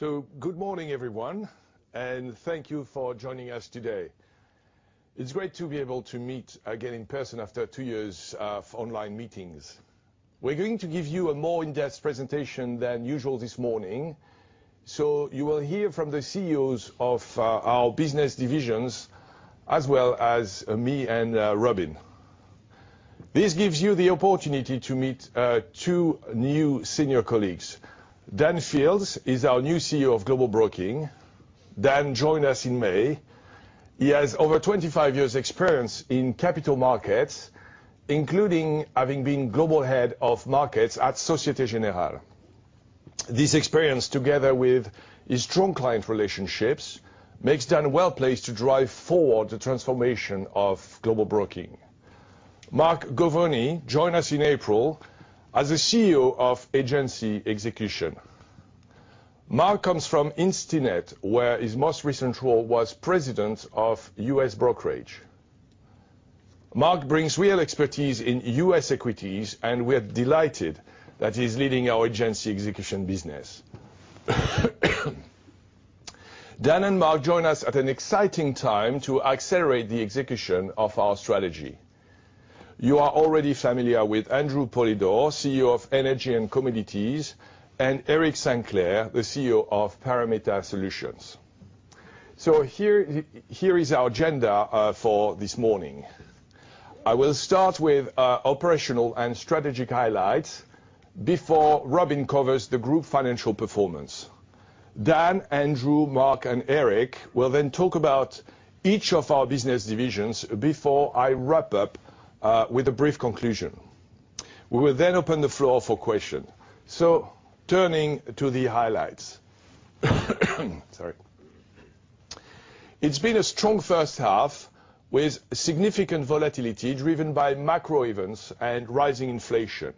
Good morning everyone, and thank you for joining us today. It's great to be able to meet again in person after two years of online meetings. We're going to give you a more in-depth presentation than usual this morning, so you will hear from the CEOs of our business divisions, as well as me and Robin. This gives you the opportunity to meet two new senior colleagues. Dan Fields is our new CEO of Global Broking. Dan joined us in May. He has over 25 years' experience in capital markets, including having been Global Head of Markets at Société Générale. This experience, together with his strong client relationships, makes Dan well-placed to drive forward the transformation of global broking. Mark Govoni joined us in April as the CEO of Agency Execution. Mark comes from Instinet, where his most recent role was President of U.S. Brokerage. Mark brings real expertise in U.S. equities, and we're delighted that he's leading our agency execution business. Dan and Mark join us at an exciting time to accelerate the execution of our strategy. You are already familiar with Andrew Polydor, CEO of Energy & Commodities, and Eric Sinclair, the CEO of Parameta Solutions. Here is our agenda for this morning. I will start with operational and strategic highlights before Robin covers the group financial performance. Dan, Andrew, Mark, and Eric will then talk about each of our business divisions before I wrap up with a brief conclusion. We will then open the floor for question. Turning to the highlights. Sorry. It's been a strong first half with significant volatility driven by macro events and rising inflation.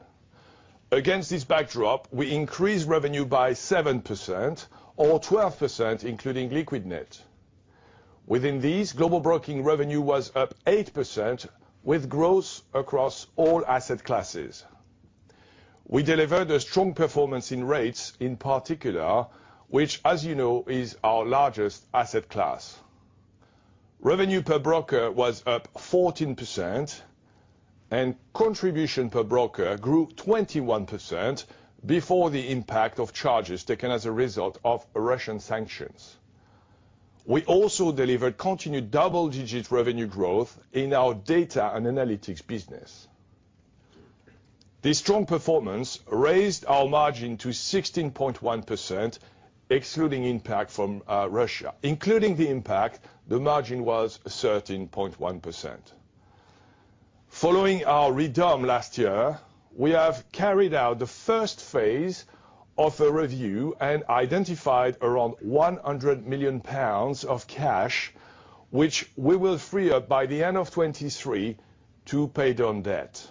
Against this backdrop, we increased revenue by 7% or 12%, including Liquidnet. Within these, global broking revenue was up 8% with growth across all asset classes. We delivered a strong performance in rates in particular, which, as you know, is our largest asset class. Revenue per broker was up 14%, and contribution per broker grew 21% before the impact of charges taken as a result of Russian sanctions. We also delivered continued double-digit revenue growth in our data and analytics business. This strong performance raised our margin to 16.1%, excluding impact from Russia. Including the impact, the margin was 13.1%. Following our redomiciliation last year, we have carried out the first phase of the review and identified around 100 million pounds of cash, which we will free up by the end of 2023 to pay down debt.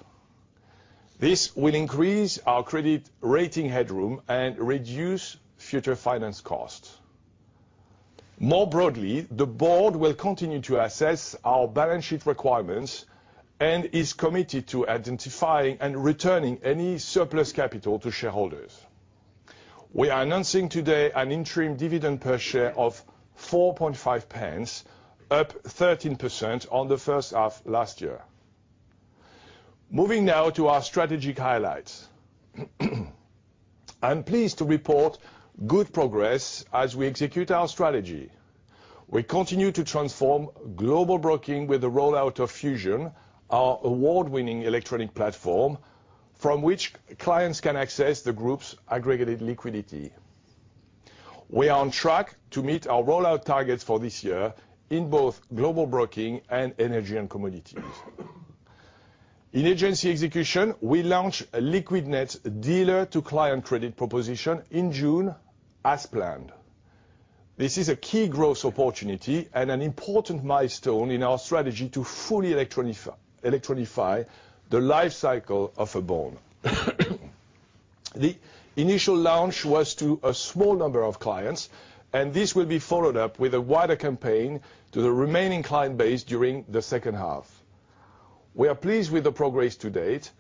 This will increase our credit rating headroom and reduce future finance costs. More broadly, the board will continue to assess our balance sheet requirements and is committed to identifying and returning any surplus capital to shareholders. We are announcing today an interim dividend per share of 4.5 pence, up 13% on the first half of last year. Moving now to our strategic highlights. I'm pleased to report good progress as we execute our strategy. We continue to transform Global Broking with the rollout of Fusion, our award-winning electronic platform, from which clients can access the group's aggregated liquidity. We are on track to meet our rollout targets for this year in both Global Broking and Energy & Commodities. In Agency Execution, we launched a Liquidnet dealer-to-client credit proposition in June as planned. This is a key growth opportunity and an important milestone in our strategy to fully electronify the life cycle of a bond. The initial launch was to a small number of clients, and this will be followed up with a wider campaign to the remaining client base during the second half. We are pleased with the progress to date.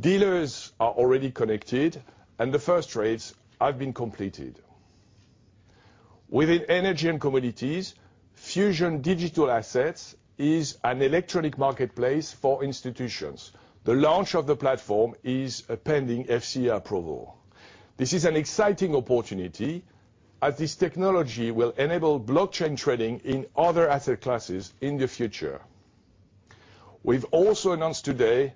Dealers are already connected, and the first trades have been completed. Within Energy & Commodities, Fusion Digital Assets is an electronic marketplace for institutions. The launch of the platform is pending FCA approval. This is an exciting opportunity as this technology will enable blockchain trading in other asset classes in the future. We've also announced today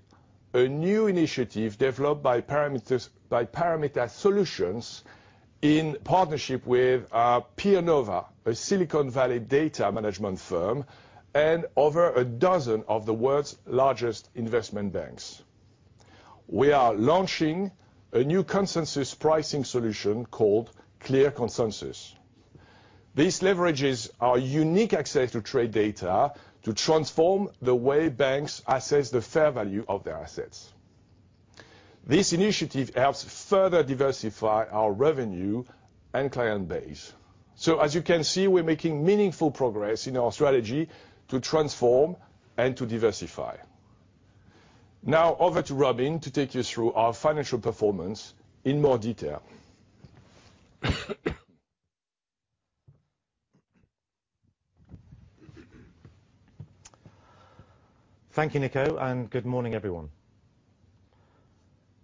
a new initiative developed by Parameta Solutions in partnership with PeerNova, a Silicon Valley data management firm and over a dozen of the world's largest investment banks. We are launching a new consensus pricing solution called Clear Consensus. This leverages our unique access to trade data to transform the way banks assess the fair value of their assets. This initiative helps further diversify our revenue and client base. As you can see, we're making meaningful progress in our strategy to transform and to diversify. Now over to Robin to take you through our financial performance in more detail. Thank you, Nico, and good morning everyone.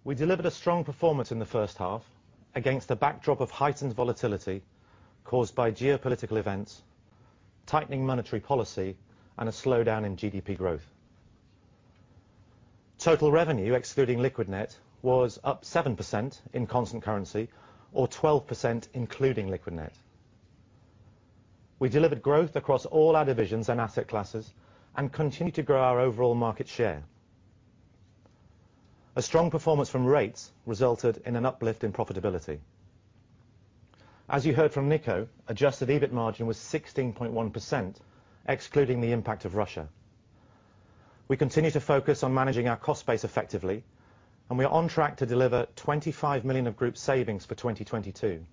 We delivered a strong performance in the first half against a backdrop of heightened volatility caused by geopolitical events, tightening monetary policy, and a slowdown in GDP growth. Total revenue excluding Liquidnet was up 7% in constant currency or 12% including Liquidnet. We delivered growth across all our divisions and asset classes and continue to grow our overall market share. A strong performance from rates resulted in an uplift in profitability. As you heard from Nico, adjusted EBIT margin was 16.1% excluding the impact of Russia. We continue to focus on managing our cost base effectively, and we are on track to deliver 25 million of group savings for 2022.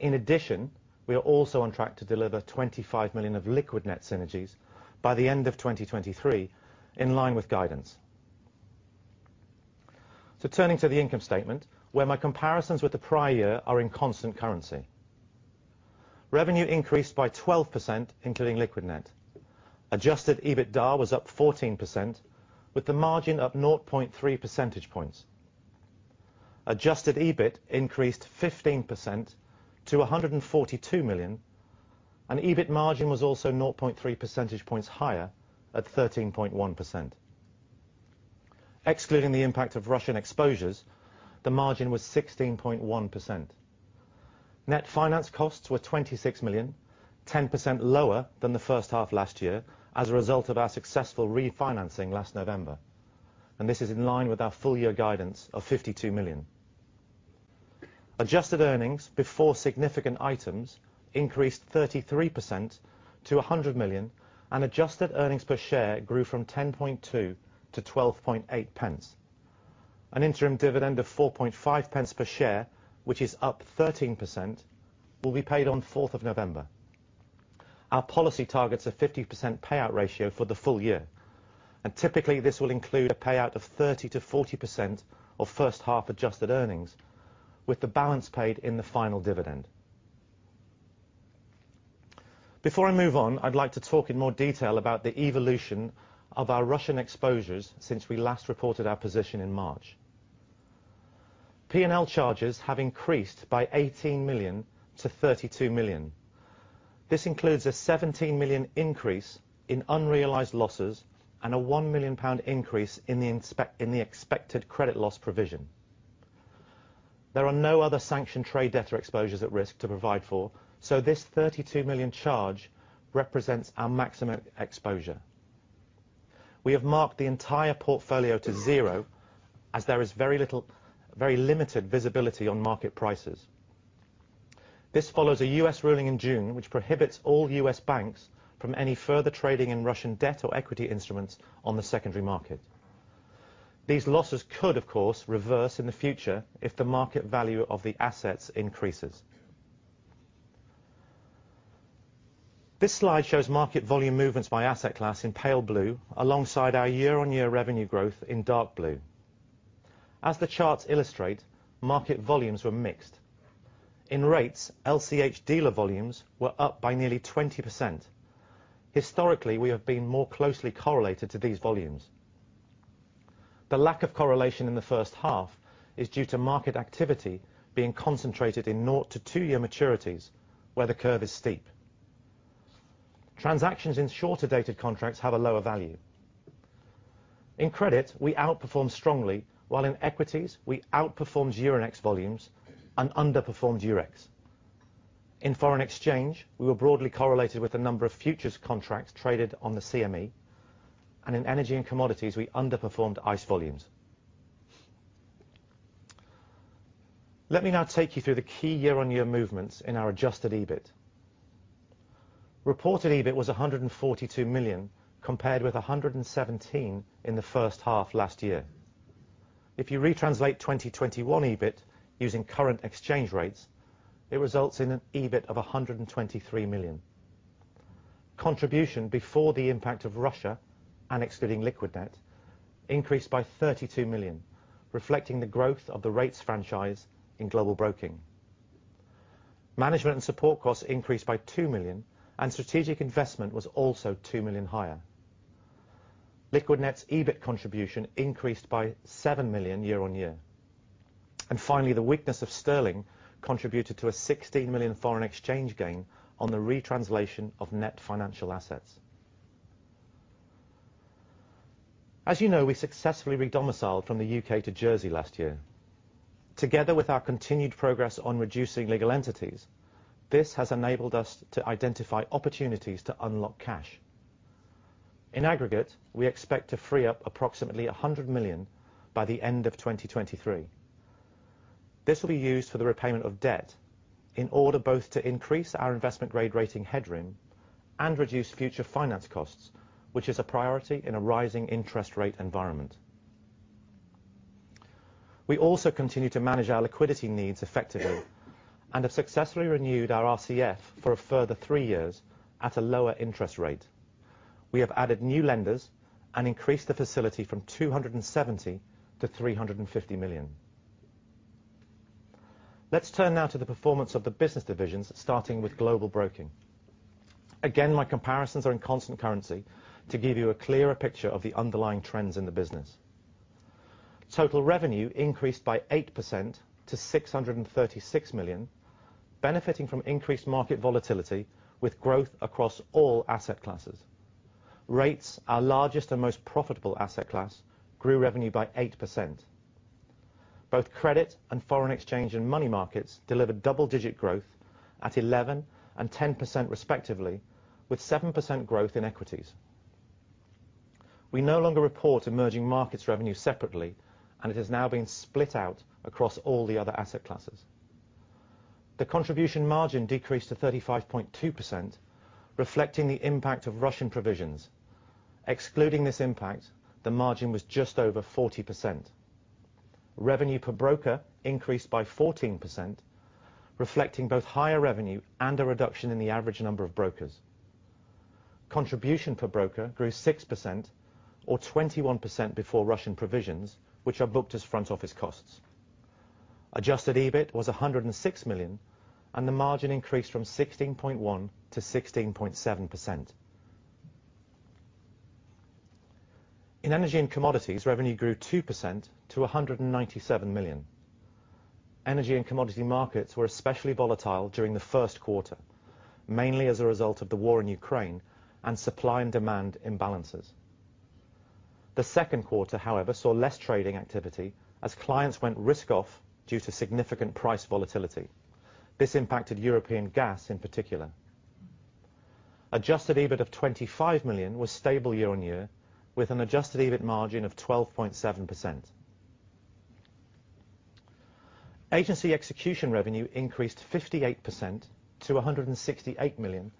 In addition, we are also on track to deliver 25 million of Liquidnet synergies by the end of 2023 in line with guidance. Turning to the income statement where my comparisons with the prior year are in constant currency. Revenue increased by 12% including Liquidnet. Adjusted EBITDAR was up 14% with the margin up 0.3 percentage points. Adjusted EBIT increased 15% to 142 million, and EBIT margin was also 0.3 percentage points higher at 13.1%. Excluding the impact of Russian exposures, the margin was 16.1%. Net finance costs were 26 million, 10% lower than the first half last year as a result of our successful refinancing last November. This is in line with our full year guidance of 52 million. Adjusted earnings before significant items increased 33% to 100 million and adjusted earnings per share grew from 10.2 pence-12.8 pence. An interim dividend of 4.5 pence per share, which is up 13%, will be paid on 4th of November. Our policy targets a 50% payout ratio for the full year, and typically this will include a payout of 30%-40% of first half adjusted earnings with the balance paid in the final dividend. Before I move on, I'd like to talk in more detail about the evolution of our Russian exposures since we last reported our position in March. P&L charges have increased by 18 million to 32 million. This includes a 17 million increase in unrealized losses and a 1 million pound increase in the expected credit loss provision. There are no other sanction trade debtor exposures at risk to provide for, so this 32 million charge represents our maximum exposure. We have marked the entire portfolio to zero as there is very little, very limited visibility on market prices. This follows a U.S. ruling in June, which prohibits all U.S. banks from any further trading in Russian debt or equity instruments on the secondary market. These losses could, of course, reverse in the future if the market value of the assets increases. This slide shows market volume movements by asset class in pale blue alongside our year-on-year revenue growth in dark blue. As the charts illustrate, market volumes were mixed. In rates, LCH dealer volumes were up by nearly 20%. Historically, we have been more closely correlated to these volumes. The lack of correlation in the first half is due to market activity being concentra`ted in zero to two-year maturities where the curve is steep. Transactions in shorter dated contracts have a lower value. In credit, we outperformed strongly, while in equities we outperformed Euronext volumes and underperformed Eurex. In foreign exchange, we were broadly correlated with the number of futures contracts traded on the CME, and in energy and commodities, we underperformed ICE volumes. Let me now take you through the key year-on-year movements in our adjusted EBIT. Reported EBIT was 142 million compared with 117 million in the first half last year. If you retranslate 2021 EBIT using current exchange rates, it results in an EBIT of 123 million. Contribution before the impact of Russia and excluding Liquidnet increased by 32 million, reflecting the growth of the rates franchise in Global Broking. Management and support costs increased by 2 million and strategic investment was also 2 million higher. Liquidnet's EBIT contribution increased by 7 million year on year. Finally, the weakness of sterling contributed to a 16 million foreign exchange gain on the retranslation of net financial assets. As you know, we successfully redomiciled from the U.K. to Jersey last year. Together with our continued progress on reducing legal entities, this has enabled us to identify opportunities to unlock cash. In aggregate, we expect to free up approximately 100 million by the end of 2023. This will be used for the repayment of debt in order both to increase our investment grade rating headroom and reduce future finance costs, which is a priority in a rising interest rate environment. We also continue to manage our liquidity needs effectively and have successfully renewed our RCF for a further three years at a lower interest rate. We have added new lenders and increased the facility from 270 million to 350 million. Let's turn now to the performance of the business divisions, starting with Global Broking. Again, my comparisons are in constant currency to give you a clearer picture of the underlying trends in the business. Total revenue increased by 8% to 636 million, benefiting from increased market volatility with growth across all asset classes. Rates, our largest and most profitable asset class, grew revenue by 8%. Both credit and foreign exchange and money markets delivered double-digit growth at 11% and 10% respectively, with 7% growth in equities. We no longer report emerging markets revenue separately, and it has now been split out across all the other asset classes. The contribution margin decreased to 35.2%, reflecting the impact of Russian provisions. Excluding this impact, the margin was just over 40%. Revenue per broker increased by 14%, reflecting both higher revenue and a reduction in the average number of brokers. Contribution per broker grew 6% or 21% before Russian provisions, which are booked as front office costs. Adjusted EBIT was 106 million, and the margin increased from 16.1% to 16.7%. In Energy & Commodities, revenue grew 2% to 197 million. Energy & Commodities markets were especially volatile during the first quarter, mainly as a result of the war in Ukraine and supply and demand imbalances. The second quarter, however, saw less trading activity as clients went risk-off due to significant price volatility. This impacted European gas in particular. Adjusted EBIT of 25 million was stable year-on-year with an adjusted EBIT margin of 12.7%. Agency Execution revenue increased 58% to 168 million,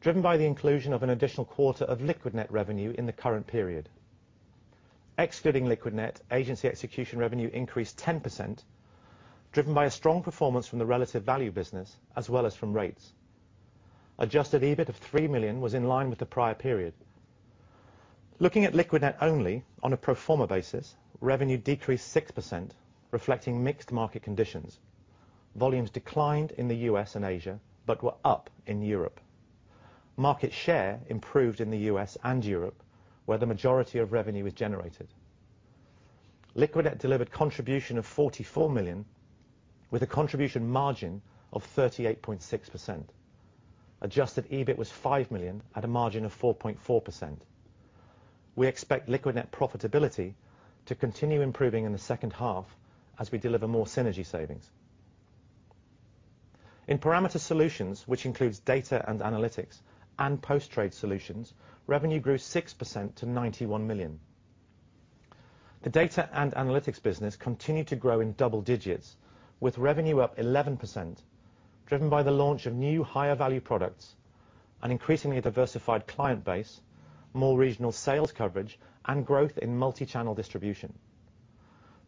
driven by the inclusion of an additional quarter of Liquidnet revenue in the current period. Excluding Liquidnet, Agency Execution revenue increased 10%, driven by a strong performance from the relative value business as well as from rates. Adjusted EBIT of 3 million was in line with the prior period. Looking at Liquidnet only on a pro forma basis, revenue decreased 6% reflecting mixed market conditions. Volumes declined in the U.S. and Asia, but were up in Europe. Market share improved in the U.S. and Europe, where the majority of revenue was generated. Liquidnet delivered contribution of 44 million with a contribution margin of 38.6%. Adjusted EBIT was 5 million at a margin of 4.4%. We expect Liquidnet profitability to continue improving in the second half as we deliver more synergy savings. In Parameta Solutions, which includes data and analytics and post-trade solutions, revenue grew 6% to 91 million. The data and analytics business continued to grow in double digits with revenue up 11%, driven by the launch of new higher value products, an increasingly diversified client base, more regional sales coverage and growth in multichannel distribution.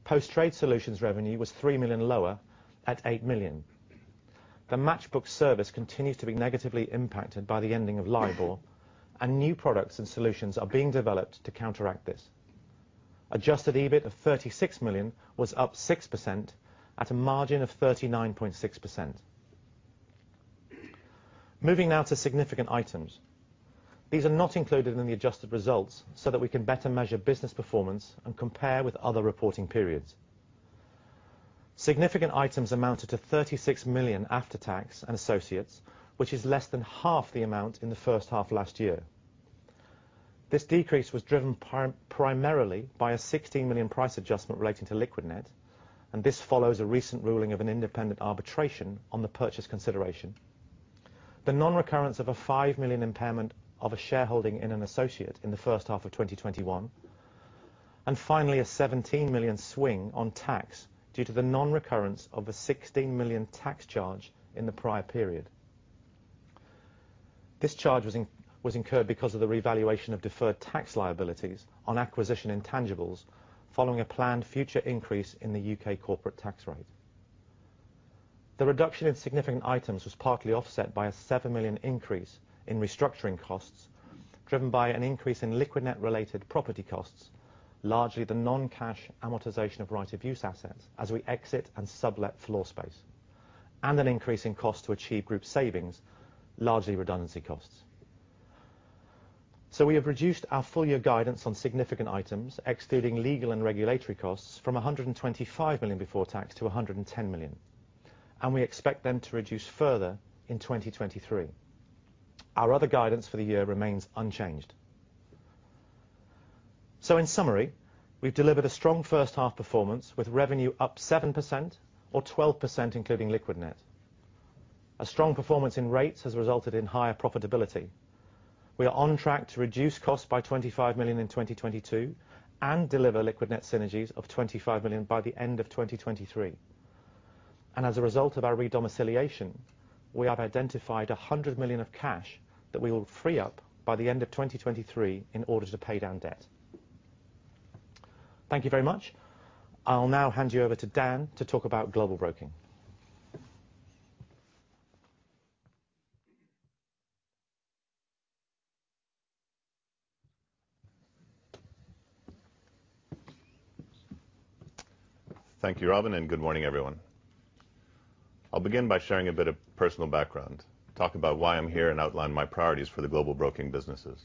Post-trade solutions revenue was 3 million lower at 8 million. The Matchbook service continues to be negatively impacted by the ending of LIBOR, and new products and solutions are being developed to counteract this. Adjusted EBIT of 36 million was up 6% at a margin of 39.6%. Moving now to significant items. These are not included in the adjusted results so that we can better measure business performance and compare with other reporting periods. Significant items amounted to 36 million after tax and associates, which is less than half the amount in the first half of last year. This decrease was driven primarily by a 16 million price adjustment relating to Liquidnet, and this follows a recent ruling of an independent arbitration on the purchase consideration. The nonrecurrence of a 5 million impairment of a shareholding in an associate in the first half of 2021. Finally, a 17 million swing on tax due to the nonrecurrence of a 16 million tax charge in the prior period. This charge was incurred because of the revaluation of deferred tax liabilities on acquisition intangibles following a planned future increase in the U.K. corporate tax rate. The reduction in significant items was partly offset by a 7 million increase in restructuring costs, driven by an increase in Liquidnet-related property costs, largely the non-cash amortization of right of use assets as we exit and sublet floor space, and an increase in cost to achieve group savings, largely redundancy costs. We have reduced our full year guidance on significant items excluding legal and regulatory costs from 125 million before tax to 110 million, and we expect them to reduce further in 2023. Our other guidance for the year remains unchanged. In summary, we've delivered a strong first half performance with revenue up 7% or 12% including Liquidnet. A strong performance in rates has resulted in higher profitability. We are on track to reduce costs by 25 million in 2022 and deliver Liquidnet synergies of 25 million by the end of 2023. As a result of our redomiciliation, we have identified 100 million of cash that we will free up by the end of 2023 in order to pay down debt. Thank you very much. I'll now hand you over to Dan to talk about Global Broking. Thank you, Robin, and good morning, everyone. I'll begin by sharing a bit of personal background, talk about why I'm here, and outline my priorities for the global broking businesses.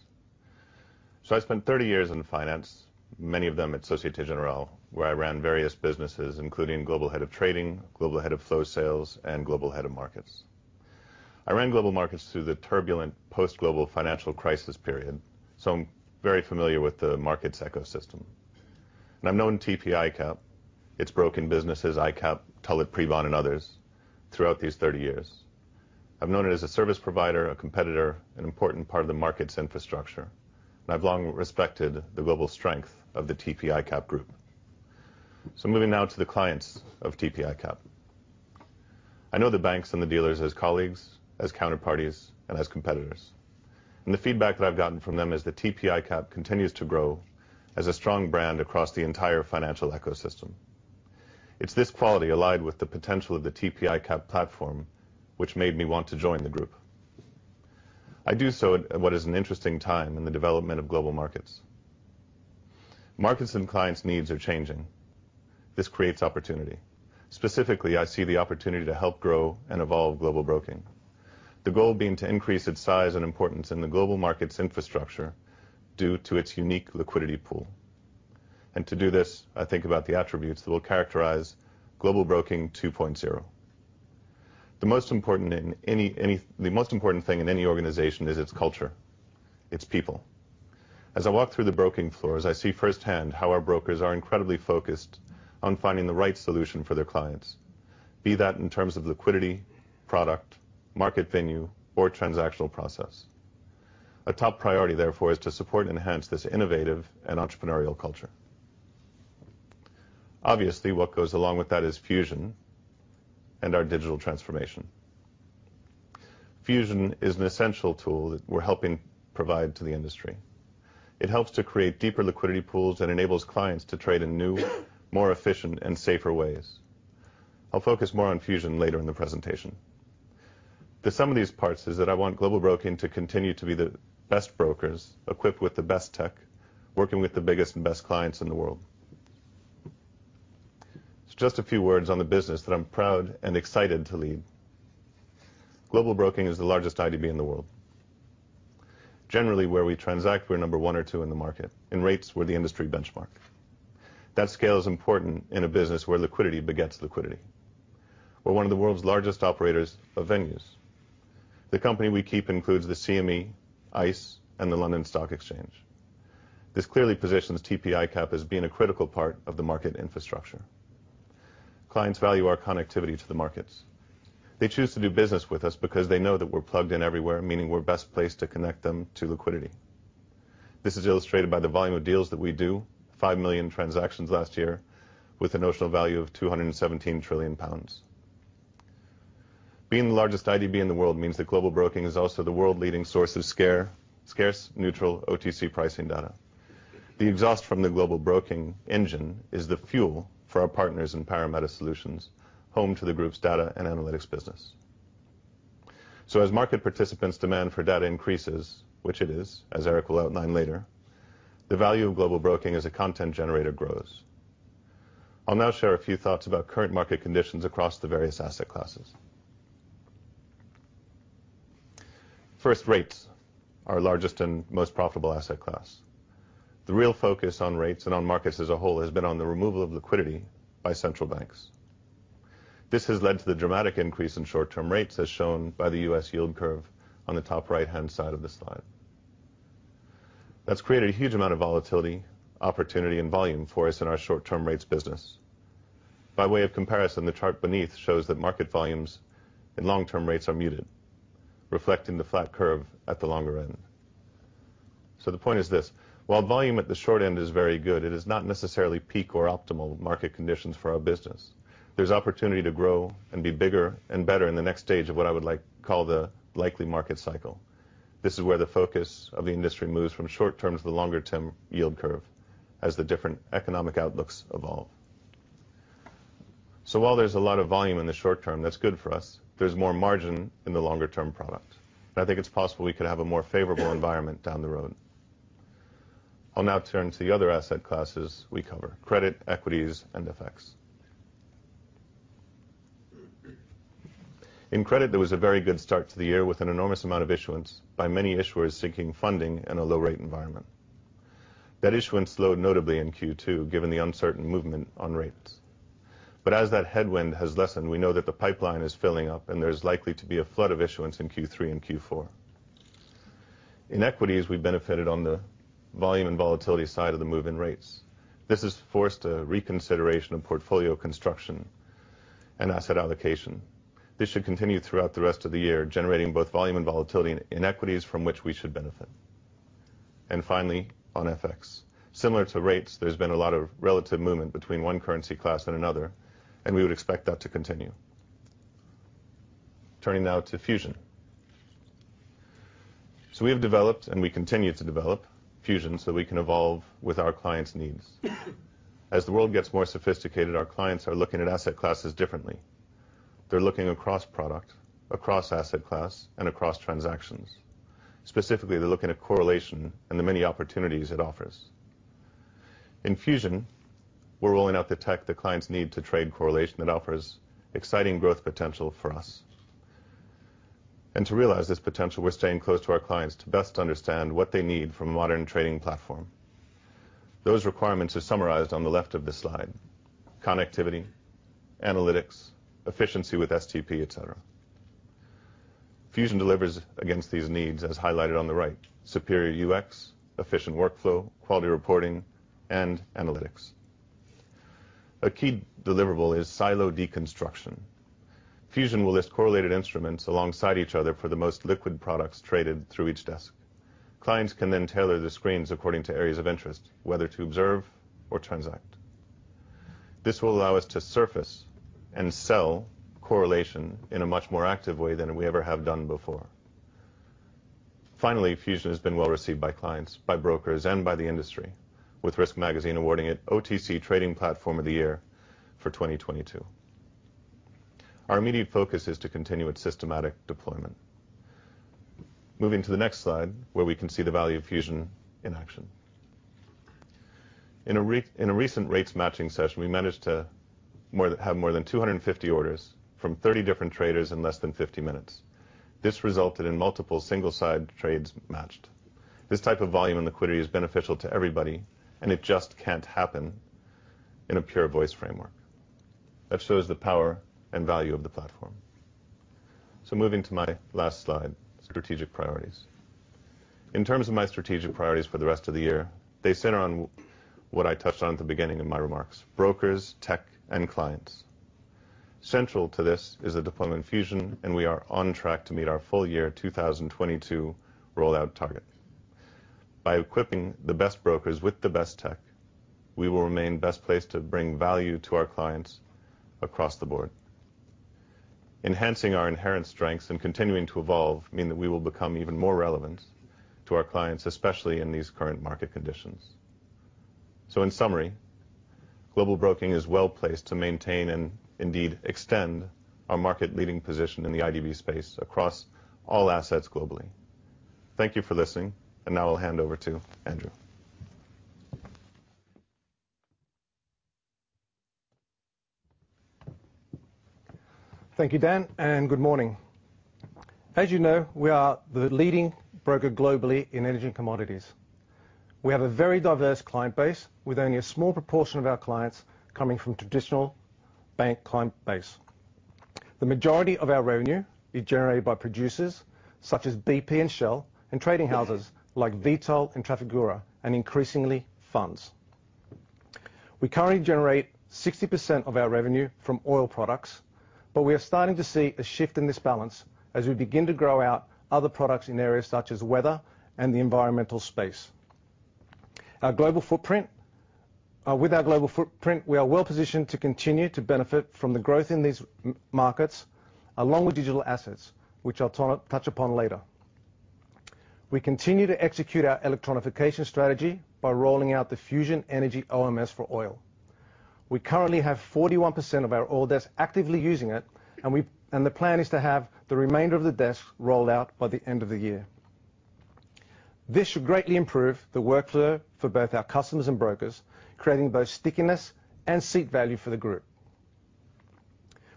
I spent 30 years in finance, many of them at Société Générale, where I ran various businesses, including Global Head of Trading, Global Head of Flow Sales, and Global Head of Markets. I ran Global Markets through the turbulent post-global financial crisis period, so I'm very familiar with the markets ecosystem. I've known TP ICAP, its broking businesses, ICAP, Tullett Prebon, and others throughout these 30 years. I've known it as a service provider, a competitor, an important part of the markets infrastructure. I've long respected the global strength of the TP ICAP Group. Moving now to the clients of TP ICAP. I know the banks and the dealers as colleagues, as counterparties, and as competitors. The feedback that I've gotten from them is that TP ICAP continues to grow as a strong brand across the entire financial ecosystem. It's this quality allied with the potential of the TP ICAP platform which made me want to join the group. I do so at what is an interesting time in the development of global markets. Markets and clients' needs are changing. This creates opportunity. Specifically, I see the opportunity to help grow and evolve Global Broking. The goal being to increase its size and importance in the global markets infrastructure due to its unique liquidity pool. To do this, I think about the attributes that will characterize Global Broking 2.0. The most important thing in any organization is its culture, its people. As I walk through the broking floors, I see firsthand how our brokers are incredibly focused on finding the right solution for their clients, be that in terms of liquidity, product, market venue, or transactional process. A top priority, therefore, is to support and enhance this innovative and entrepreneurial culture. Obviously, what goes along with that is Fusion and our digital transformation. Fusion is an essential tool that we're helping provide to the industry. It helps to create deeper liquidity pools and enables clients to trade in new, more efficient, and safer ways. I'll focus more on Fusion later in the presentation. The sum of these parts is that I want Global Broking to continue to be the best brokers equipped with the best tech, working with the biggest and best clients in the world. Just a few words on the business that I'm proud and excited to lead. Global Broking is the largest IDB in the world. Generally, where we transact, we're number 1 or 2 in the market. In rates, we're the industry benchmark. That scale is important in a business where liquidity begets liquidity. We're one of the world's largest operators of venues. The company we keep includes the CME, ICE, and the London Stock Exchange. This clearly positions TP ICAP as being a critical part of the market infrastructure. Clients value our connectivity to the markets. They choose to do business with us because they know that we're plugged in everywhere, meaning we're best placed to connect them to liquidity. This is illustrated by the volume of deals that we do, 5 million transactions last year, with a notional value of 217 trillion pounds. Being the largest IDB in the world means that Global Broking is also the world's leading source of scarce neutral OTC pricing data. The exhaust from the Global Broking engine is the fuel for our partners in Parameta Solutions, home to the group's data and analytics business. As market participants' demand for data increases, which it is, as Eric will outline later, the value of Global Broking as a content generator grows. I'll now share a few thoughts about current market conditions across the various asset classes. First, rates, our largest and most profitable asset class. The real focus on rates and on markets as a whole has been on the removal of liquidity by central banks. This has led to the dramatic increase in short-term rates, as shown by the U.S. yield curve on the top right-hand side of the slide. That's created a huge amount of volatility, opportunity, and volume for us in our short-term rates business. By way of comparison, the chart beneath shows that market volumes and long-term rates are muted, reflecting the flat curve at the longer end. The point is this, while volume at the short end is very good, it is not necessarily peak or optimal market conditions for our business. There's opportunity to grow and be bigger and better in the next stage of what I would like to call the likely market cycle. This is where the focus of the industry moves from short-term to the longer-term yield curve as the different economic outlooks evolve. While there's a lot of volume in the short term that's good for us, there's more margin in the longer-term product. I think it's possible we could have a more favorable environment down the road. I'll now turn to the other asset classes we cover, credit, equities, and FX. In credit, there was a very good start to the year with an enormous amount of issuance by many issuers seeking funding in a low rate environment. That issuance slowed notably in Q2, given the uncertain movement on rates. As that headwind has lessened, we know that the pipeline is filling up, and there's likely to be a flood of issuance in Q3 and Q4. In equities, we benefited on the volume and volatility side of the move in rates. This has forced a reconsideration of portfolio construction and asset allocation. This should continue throughout the rest of the year, generating both volume and volatility in equities from which we should benefit. Finally, on FX. Similar to rates, there's been a lot of relative movement between one currency class and another, and we would expect that to continue. Turning now to Fusion. We have developed, and we continue to develop, Fusion so we can evolve with our clients' needs. As the world gets more sophisticated, our clients are looking at asset classes differently. They're looking across product, across asset class, and across transactions. Specifically, they're looking at correlation and the many opportunities it offers. In Fusion, we're rolling out the tech that clients need to trade correlation that offers exciting growth potential for us. And to realize this potential, we're staying close to our clients to best understand what they need from a modern trading platform. Those requirements are summarized on the left of this slide. Connectivity, analytics, efficiency with STP, et cetera. Fusion delivers against these needs, as highlighted on the right, superior UX, efficient workflow, quality reporting, and analytics. A key deliverable is silo deconstruction. Fusion will list correlated instruments alongside each other for the most liquid products traded through each desk. Clients can then tailor the screens according to areas of interest, whether to observe or transact. This will allow us to surface and sell correlation in a much more active way than we ever have done before. Finally, Fusion has been well received by clients, by brokers, and by the industry, with Risk Magazine awarding it OTC Trading Platform of the Year for 2022. Our immediate focus is to continue its systematic deployment. Moving to the next slide, where we can see the value of Fusion in action. In a recent rates matching session, we managed to have more than 250 orders from 30 different traders in less than 50 minutes. This resulted in multiple single-side trades matched. This type of volume and liquidity is beneficial to everybody, and it just can't happen in a pure voice framework. That shows the power and value of the platform. Moving to my last slide, strategic priorities. In terms of my strategic priorities for the rest of the year, they center on what I touched on at the beginning of my remarks: brokers, tech, and clients. Central to this is the deployment of Fusion, and we are on track to meet our full year 2022 rollout target. By equipping the best brokers with the best tech, we will remain best placed to bring value to our clients across the board. Enhancing our inherent strengths and continuing to evolve mean that we will become even more relevant to our clients, especially in these current market conditions. In summary, Global Broking is well-placed to maintain and indeed extend our market leading position in the IDB space across all assets globally. Thank you for listening, and now I'll hand over to Andrew. Thank you, Dan, and good morning. As you know, we are the leading broker globally in energy and commodities. We have a very diverse client base, with only a small proportion of our clients coming from traditional bank client base. The majority of our revenue is generated by producers such as BP and Shell, and trading houses like Vitol and Trafigura, and increasingly, funds. We currently generate 60% of our revenue from oil products, but we are starting to see a shift in this balance as we begin to grow out other products in areas such as weather and the environmental space. With our global footprint, we are well-positioned to continue to benefit from the growth in these markets, along with digital assets, which I'll touch upon later. We continue to execute our electronification strategy by rolling out the Fusion Energy OMS for oil. We currently have 41% of our oil desks actively using it, and the plan is to have the remainder of the desks rolled out by the end of the year. This should greatly improve the workflow for both our customers and brokers, creating both stickiness and seat value for the group.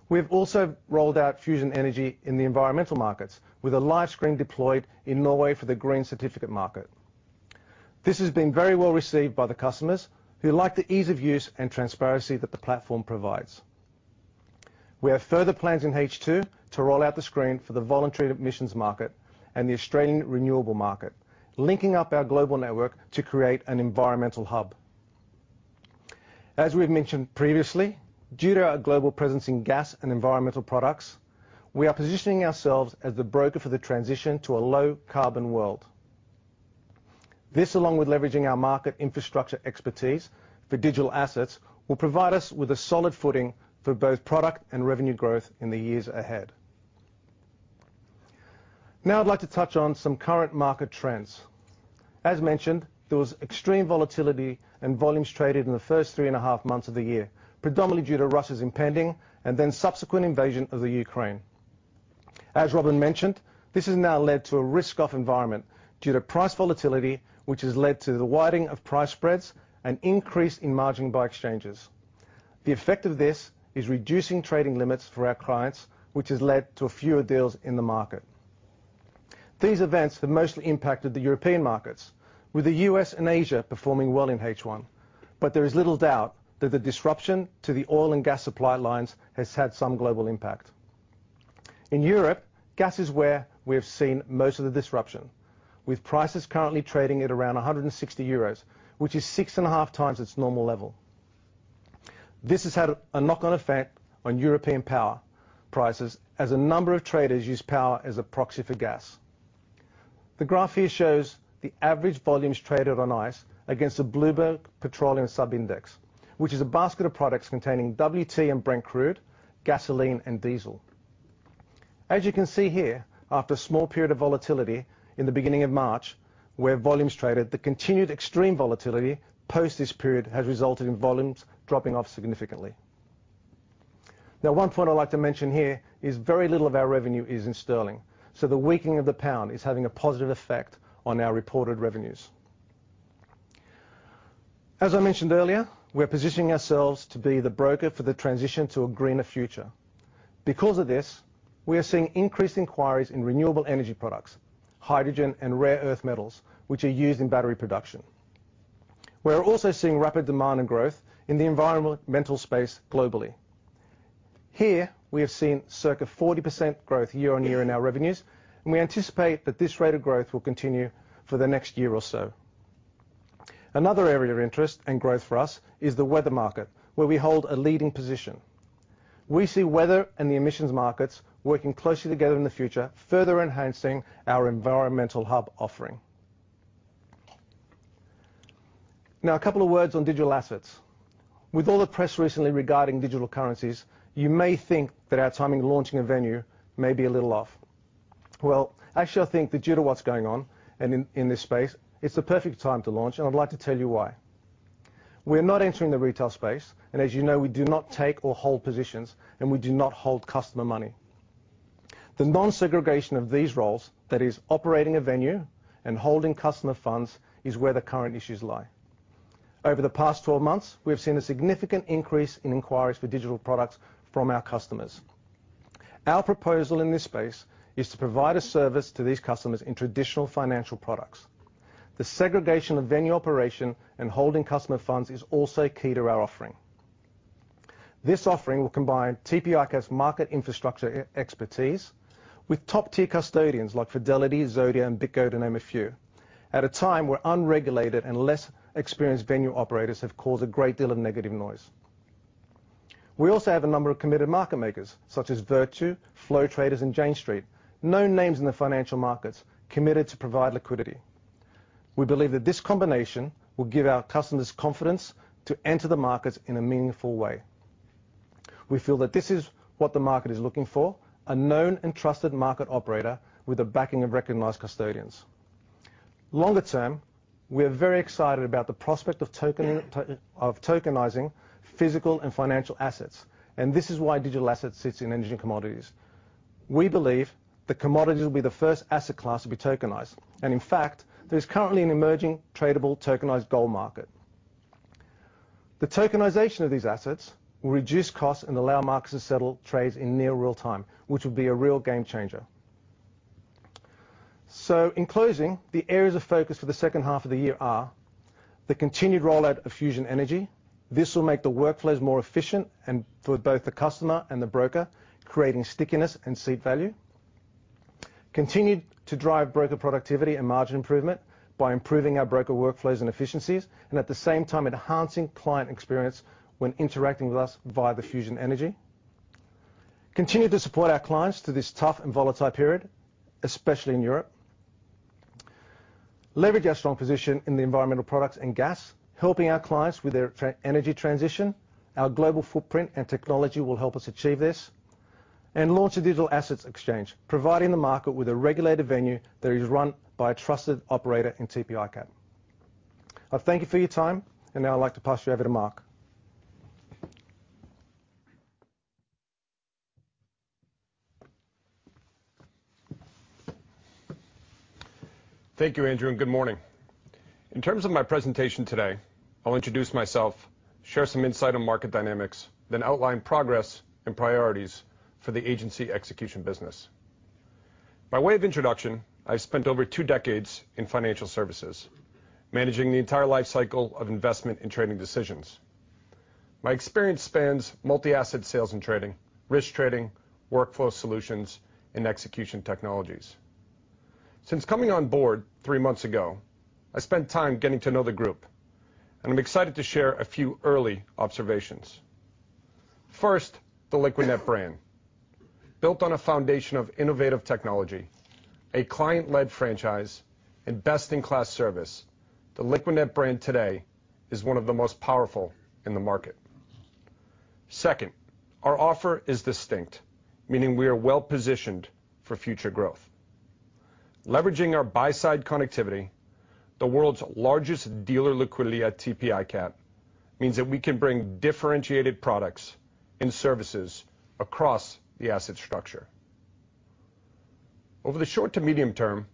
We've also rolled out Fusion Energy in the environmental markets, with a live screen deployed in Norway for the green certificate market. This has been very well received by the customers, who like the ease of use and transparency that the platform provides. We have further plans in H2 to roll out the screen for the voluntary emissions market and the Australian renewable market, linking up our global network to create an environmental hub. As we've mentioned previously, due to our global presence in gas and environmental products, we are positioning ourselves as the broker for the transition to a low-carbon world. This, along with leveraging our market infrastructure expertise for digital assets, will provide us with a solid footing for both product and revenue growth in the years ahead. Now I'd like to touch on some current market trends. As mentioned, there was extreme volatility and volumes traded in the first three and a half months of the year, predominantly due to Russia's impending and then subsequent invasion of Ukraine. As Robin mentioned, this has now led to a risk-off environment due to price volatility, which has led to the widening of price spreads and increase in margin by exchanges. The effect of this is reducing trading limits for our clients, which has led to fewer deals in the market. These events have mostly impacted the European markets, with the U.S. and Asia performing well in H1. There is little doubt that the disruption to the oil and gas supply lines has had some global impact. In Europe, gas is where we have seen most of the disruption, with prices currently trading at around 160 euros, which is six and a half times its normal level. This has had a knock-on effect on European power prices as a number of traders use power as a proxy for gas. The graph here shows the average volumes traded on ICE against the Bloomberg Petroleum Subindex, which is a basket of products containing WTI and Brent crude, gasoline, and diesel. As you can see here, after a small period of volatility in the beginning of March, where volumes traded, the continued extreme volatility post this period has resulted in volumes dropping off significantly. Now, one point I'd like to mention here is very little of our revenue is in sterling, so the weakening of the pound is having a positive effect on our reported revenues. As I mentioned earlier, we're positioning ourselves to be the broker for the transition to a greener future. Because of this, we are seeing increased inquiries in renewable energy products, hydrogen and rare earth metals, which are used in battery production. We're also seeing rapid demand and growth in the environmental space globally. Here we have seen circa 40% growth year-on-year in our revenues, and we anticipate that this rate of growth will continue for the next year or so. Another area of interest and growth for us is the weather market, where we hold a leading position. We see weather and the emissions markets working closely together in the future, further enhancing our environmental hub offering. Now, a couple of words on digital assets. With all the press recently regarding digital currencies, you may think that our timing launching a venue may be a little off. Well, actually, I think that due to what's going on and in this space, it's the perfect time to launch, and I'd like to tell you why. We're not entering the retail space, and as you know, we do not take or hold positions, and we do not hold customer money. The non-segregation of these roles, that is operating a venue and holding customer funds, is where the current issues lie. Over the past 12 months, we have seen a significant increase in inquiries for digital products from our customers. Our proposal in this space is to provide a service to these customers in traditional financial products. The segregation of venue operation and holding customer funds is also key to our offering. This offering will combine TP ICAP's market infrastructure expertise with top-tier custodians like Fidelity, Zodia, and BitGo to name a few, at a time where unregulated and less experienced venue operators have caused a great deal of negative noise. We also have a number of committed market makers such as Virtu, Flow Traders, and Jane Street, known names in the financial markets, committed to provide liquidity. We believe that this combination will give our customers confidence to enter the markets in a meaningful way. We feel that this is what the market is looking for, a known and trusted market operator with the backing of recognized custodians. Longer term, we are very excited about the prospect of tokenizing physical and financial assets, and this is why digital assets sits in Energy & Commodities. We believe that commodities will be the first asset class to be tokenized, and in fact, there is currently an emerging tradable tokenized gold market. The tokenization of these assets will reduce costs and allow markets to settle trades in near real time, which will be a real game changer. In closing, the areas of focus for the second half of the year are the continued rollout of Fusion Energy. This will make the workflows more efficient and for both the customer and the broker, creating stickiness and seat value. Continue to drive broker productivity and margin improvement by improving our broker workflows and efficiencies, and at the same time enhancing client experience when interacting with us via the Fusion Energy. Continue to support our clients through this tough and volatile period, especially in Europe. Leverage our strong position in the environmental products and gas, helping our clients with their energy transition. Our global footprint and technology will help us achieve this. Launch a digital assets exchange, providing the market with a regulated venue that is run by a trusted operator in TP ICAP. I thank you for your time, and now I'd like to pass you over to Mark. Thank you, Andrew, and good morning. In terms of my presentation today, I'll introduce myself, share some insight on market dynamics, then outline progress and priorities for the agency execution business. By way of introduction, I spent over two decades in financial services managing the entire lifecycle of investment and trading decisions. My experience spans multi-asset sales and trading, risk trading, workflow solutions, and execution technologies. Since coming on board three months ago, I spent time getting to know the group, and I'm excited to share a few early observations. First, the Liquidnet brand. Built on a foundation of innovative technology, a client-led franchise, and best-in-class service, the Liquidnet brand today is one of the most powerful in the market. Second, our offer is distinct, meaning we are well-positioned for future growth. Leveraging our buy-side connectivity, the world's largest dealer liquidity at TP ICAP means that we can bring differentiated products and services across the asset structure. Over the short to medium term,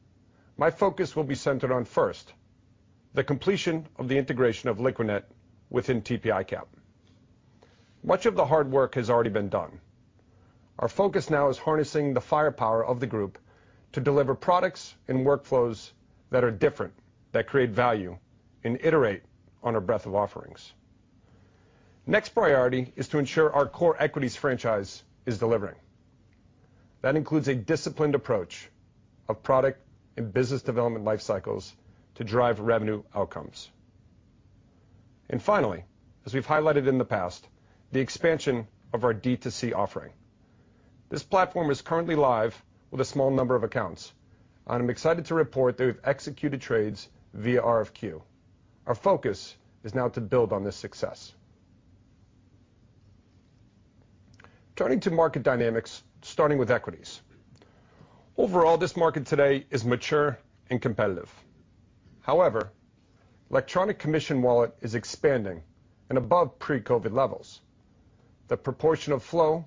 my focus will be centered on, first, the completion of the integration of Liquidnet within TP ICAP. Much of the hard work has already been done. Our focus now is harnessing the firepower of the group to deliver products and workflows that are different, that create value, and iterate on our breadth of offerings. Next priority is to ensure our core equities franchise is delivering. That includes a disciplined approach of product and business development life cycles to drive revenue outcomes. Finally, as we've highlighted in the past, the expansion of our D2C offering. This platform is currently live with a small number of accounts, and I'm excited to report that we've executed trades via RFQ. Our focus is now to build on this success. Turning to market dynamics, starting with equities. Overall, this market today is mature and competitive. However, electronic commission wallet is expanding and above pre-COVID levels. The proportion of flow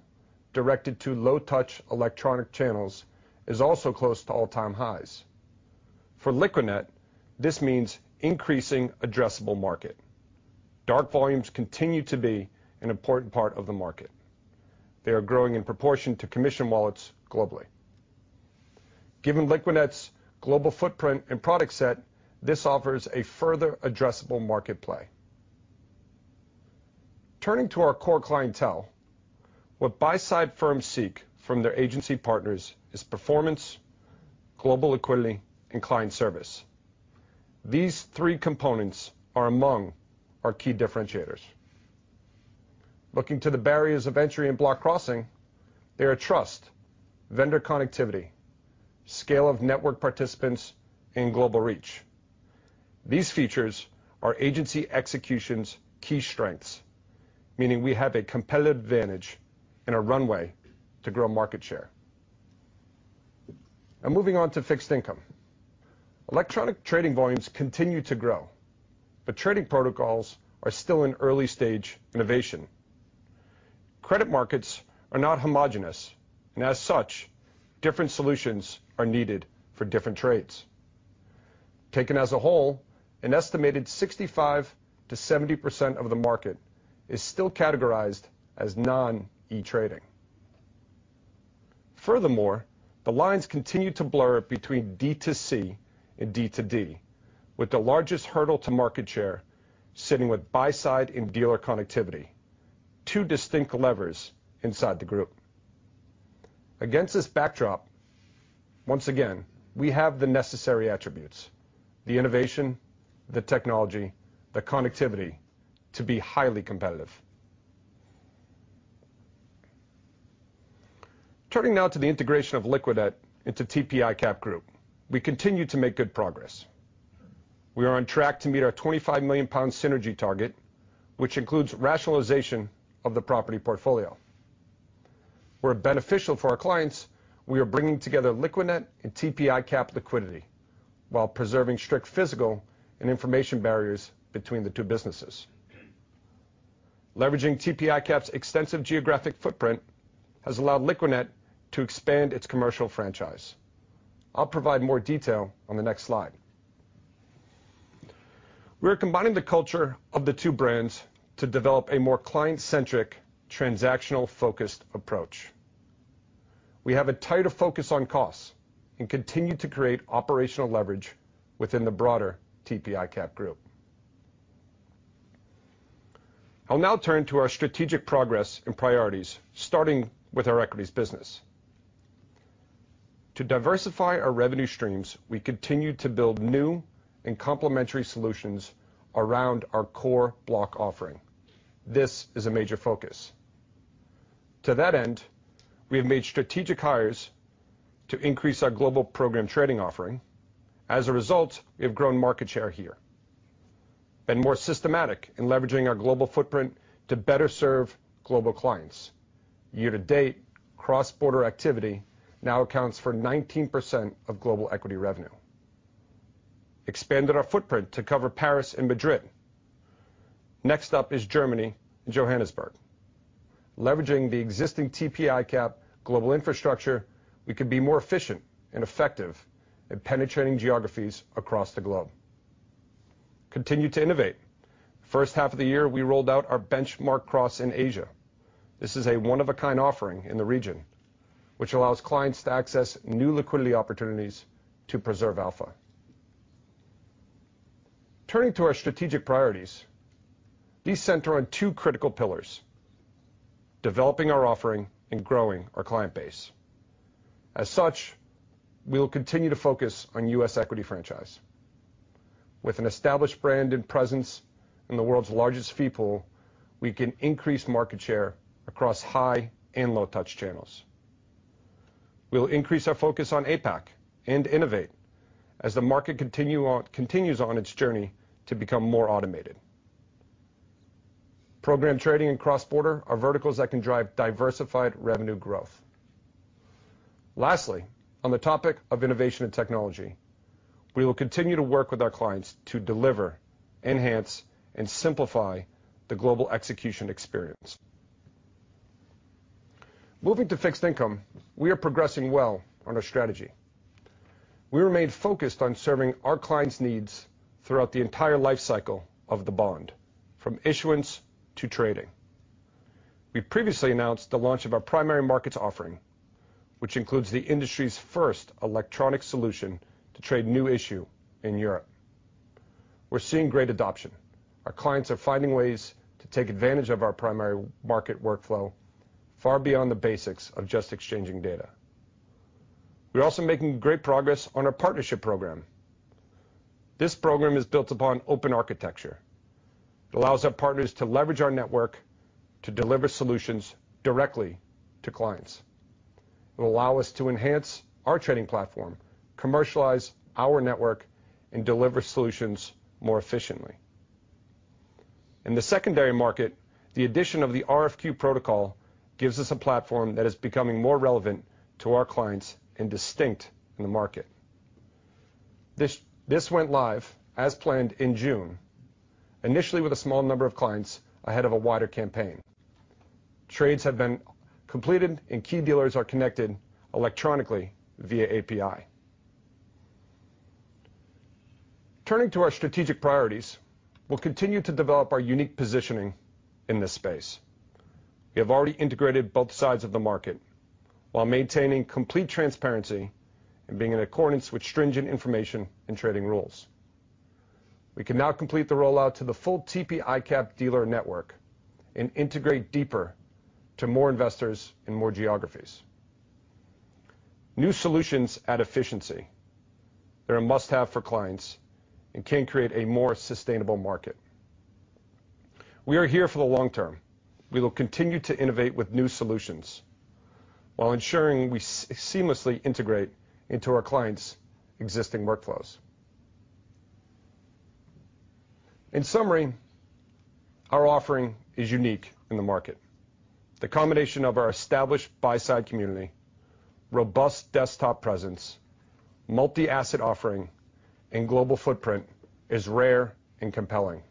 directed to low-touch electronic channels is also close to all-time highs. For Liquidnet, this means increasing addressable market. Dark volumes continue to be an important part of the market. They are growing in proportion to commission wallets globally. Given Liquidnet's global footprint and product set, this offers a further addressable market play. Turning to our core clientele, what buy-side firms seek from their agency partners is performance, global equity, and client service. These three components are among our key differentiators. Looking to the barriers of entry and block crossing, they are trust, vendor connectivity, scale of network participants, and global reach. These features are Agency Execution's key strengths, meaning we have a competitive advantage and a runway to grow market share. Now moving on to fixed income. Electronic trading volumes continue to grow, but trading protocols are still in early stage innovation. Credit markets are not homogeneous, and as such, different solutions are needed for different trades. Taken as a whole, an estimated 65%-70% of the market is still categorized as non-e-trading. Furthermore, the lines continue to blur between D2C and D2D, with the largest hurdle to market share sitting with buy side and dealer connectivity, two distinct levers inside the group. Against this backdrop, once again, we have the necessary attributes, the innovation, the technology, the connectivity to be highly competitive. Turning now to the integration of Liquidnet into TP ICAP Group, we continue to make good progress. We are on track to meet our 25 million pound synergy target, which includes rationalization of the property portfolio. Where beneficial for our clients, we are bringing together Liquidnet and TP ICAP liquidity while preserving strict physical and information barriers between the two businesses. Leveraging TP ICAP's extensive geographic footprint has allowed Liquidnet to expand its commercial franchise. I'll provide more detail on the next slide. We're combining the culture of the two brands to develop a more client-centric, transactional-focused approach. We have a tighter focus on costs and continue to create operational leverage within the broader TP ICAP Group. I'll now turn to our strategic progress and priorities, starting with our equities business. To diversify our revenue streams, we continue to build new and complementary solutions around our core block offering. This is a major focus. To that end, we have made strategic hires to increase our global program trading offering. As a result, we have grown market share here. We have been more systematic in leveraging our global footprint to better serve global clients. Year to date, cross-border activity now accounts for 19% of global equity revenue. We expanded our footprint to cover Paris and Madrid. Next up is Germany and Johannesburg. Leveraging the existing TP ICAP global infrastructure, we can be more efficient and effective at penetrating geographies across the globe. We continue to innovate. In the first half of the year, we rolled out our benchmark cross in Asia. This is a one-of-a-kind offering in the region, which allows clients to access new liquidity opportunities to preserve alpha. Turning to our strategic priorities, these center on two critical pillars, developing our offering and growing our client base. As such, we will continue to focus on U.S. equity franchise. With an established brand and presence in the world's largest fee pool, we can increase market share across high and low touch channels. We'll increase our focus on APAC and innovate as the market continues on its journey to become more automated. Program trading and cross-border are verticals that can drive diversified revenue growth. Lastly, on the topic of innovation and technology, we will continue to work with our clients to deliver, enhance, and simplify the global execution experience. Moving to fixed income, we are progressing well on our strategy. We remain focused on serving our clients' needs throughout the entire life cycle of the bond, from issuance to trading. We previously announced the launch of our primary markets offering, which includes the industry's first electronic solution to trade new issue in Europe. We're seeing great adoption. Our clients are finding ways to take advantage of our primary market workflow far beyond the basics of just exchanging data. We're also making great progress on our partnership program. This program is built upon open architecture. It allows our partners to leverage our network to deliver solutions directly to clients. It will allow us to enhance our trading platform, commercialize our network, and deliver solutions more efficiently. In the secondary market, the addition of the RFQ protocol gives us a platform that is becoming more relevant to our clients and distinct in the market. This went live as planned in June, initially with a small number of clients ahead of a wider campaign. Trades have been completed and key dealers are connected electronically via API. Turning to our strategic priorities, we'll continue to develop our unique positioning in this space. We have already integrated both sides of the market while maintaining complete transparency and being in accordance with stringent information and trading rules. We can now complete the rollout to the full TP ICAP dealer network and integrate deeper to more investors in more geographies. New solutions add efficiency. They're a must-have for clients and can create a more sustainable market. We are here for the long term. We will continue to innovate with new solutions while ensuring we seamlessly integrate into our clients' existing workflows. In summary, our offering is unique in the market. The combination of our established buy side community, robust desktop presence, multi-asset offering, and global footprint is rare and compelling.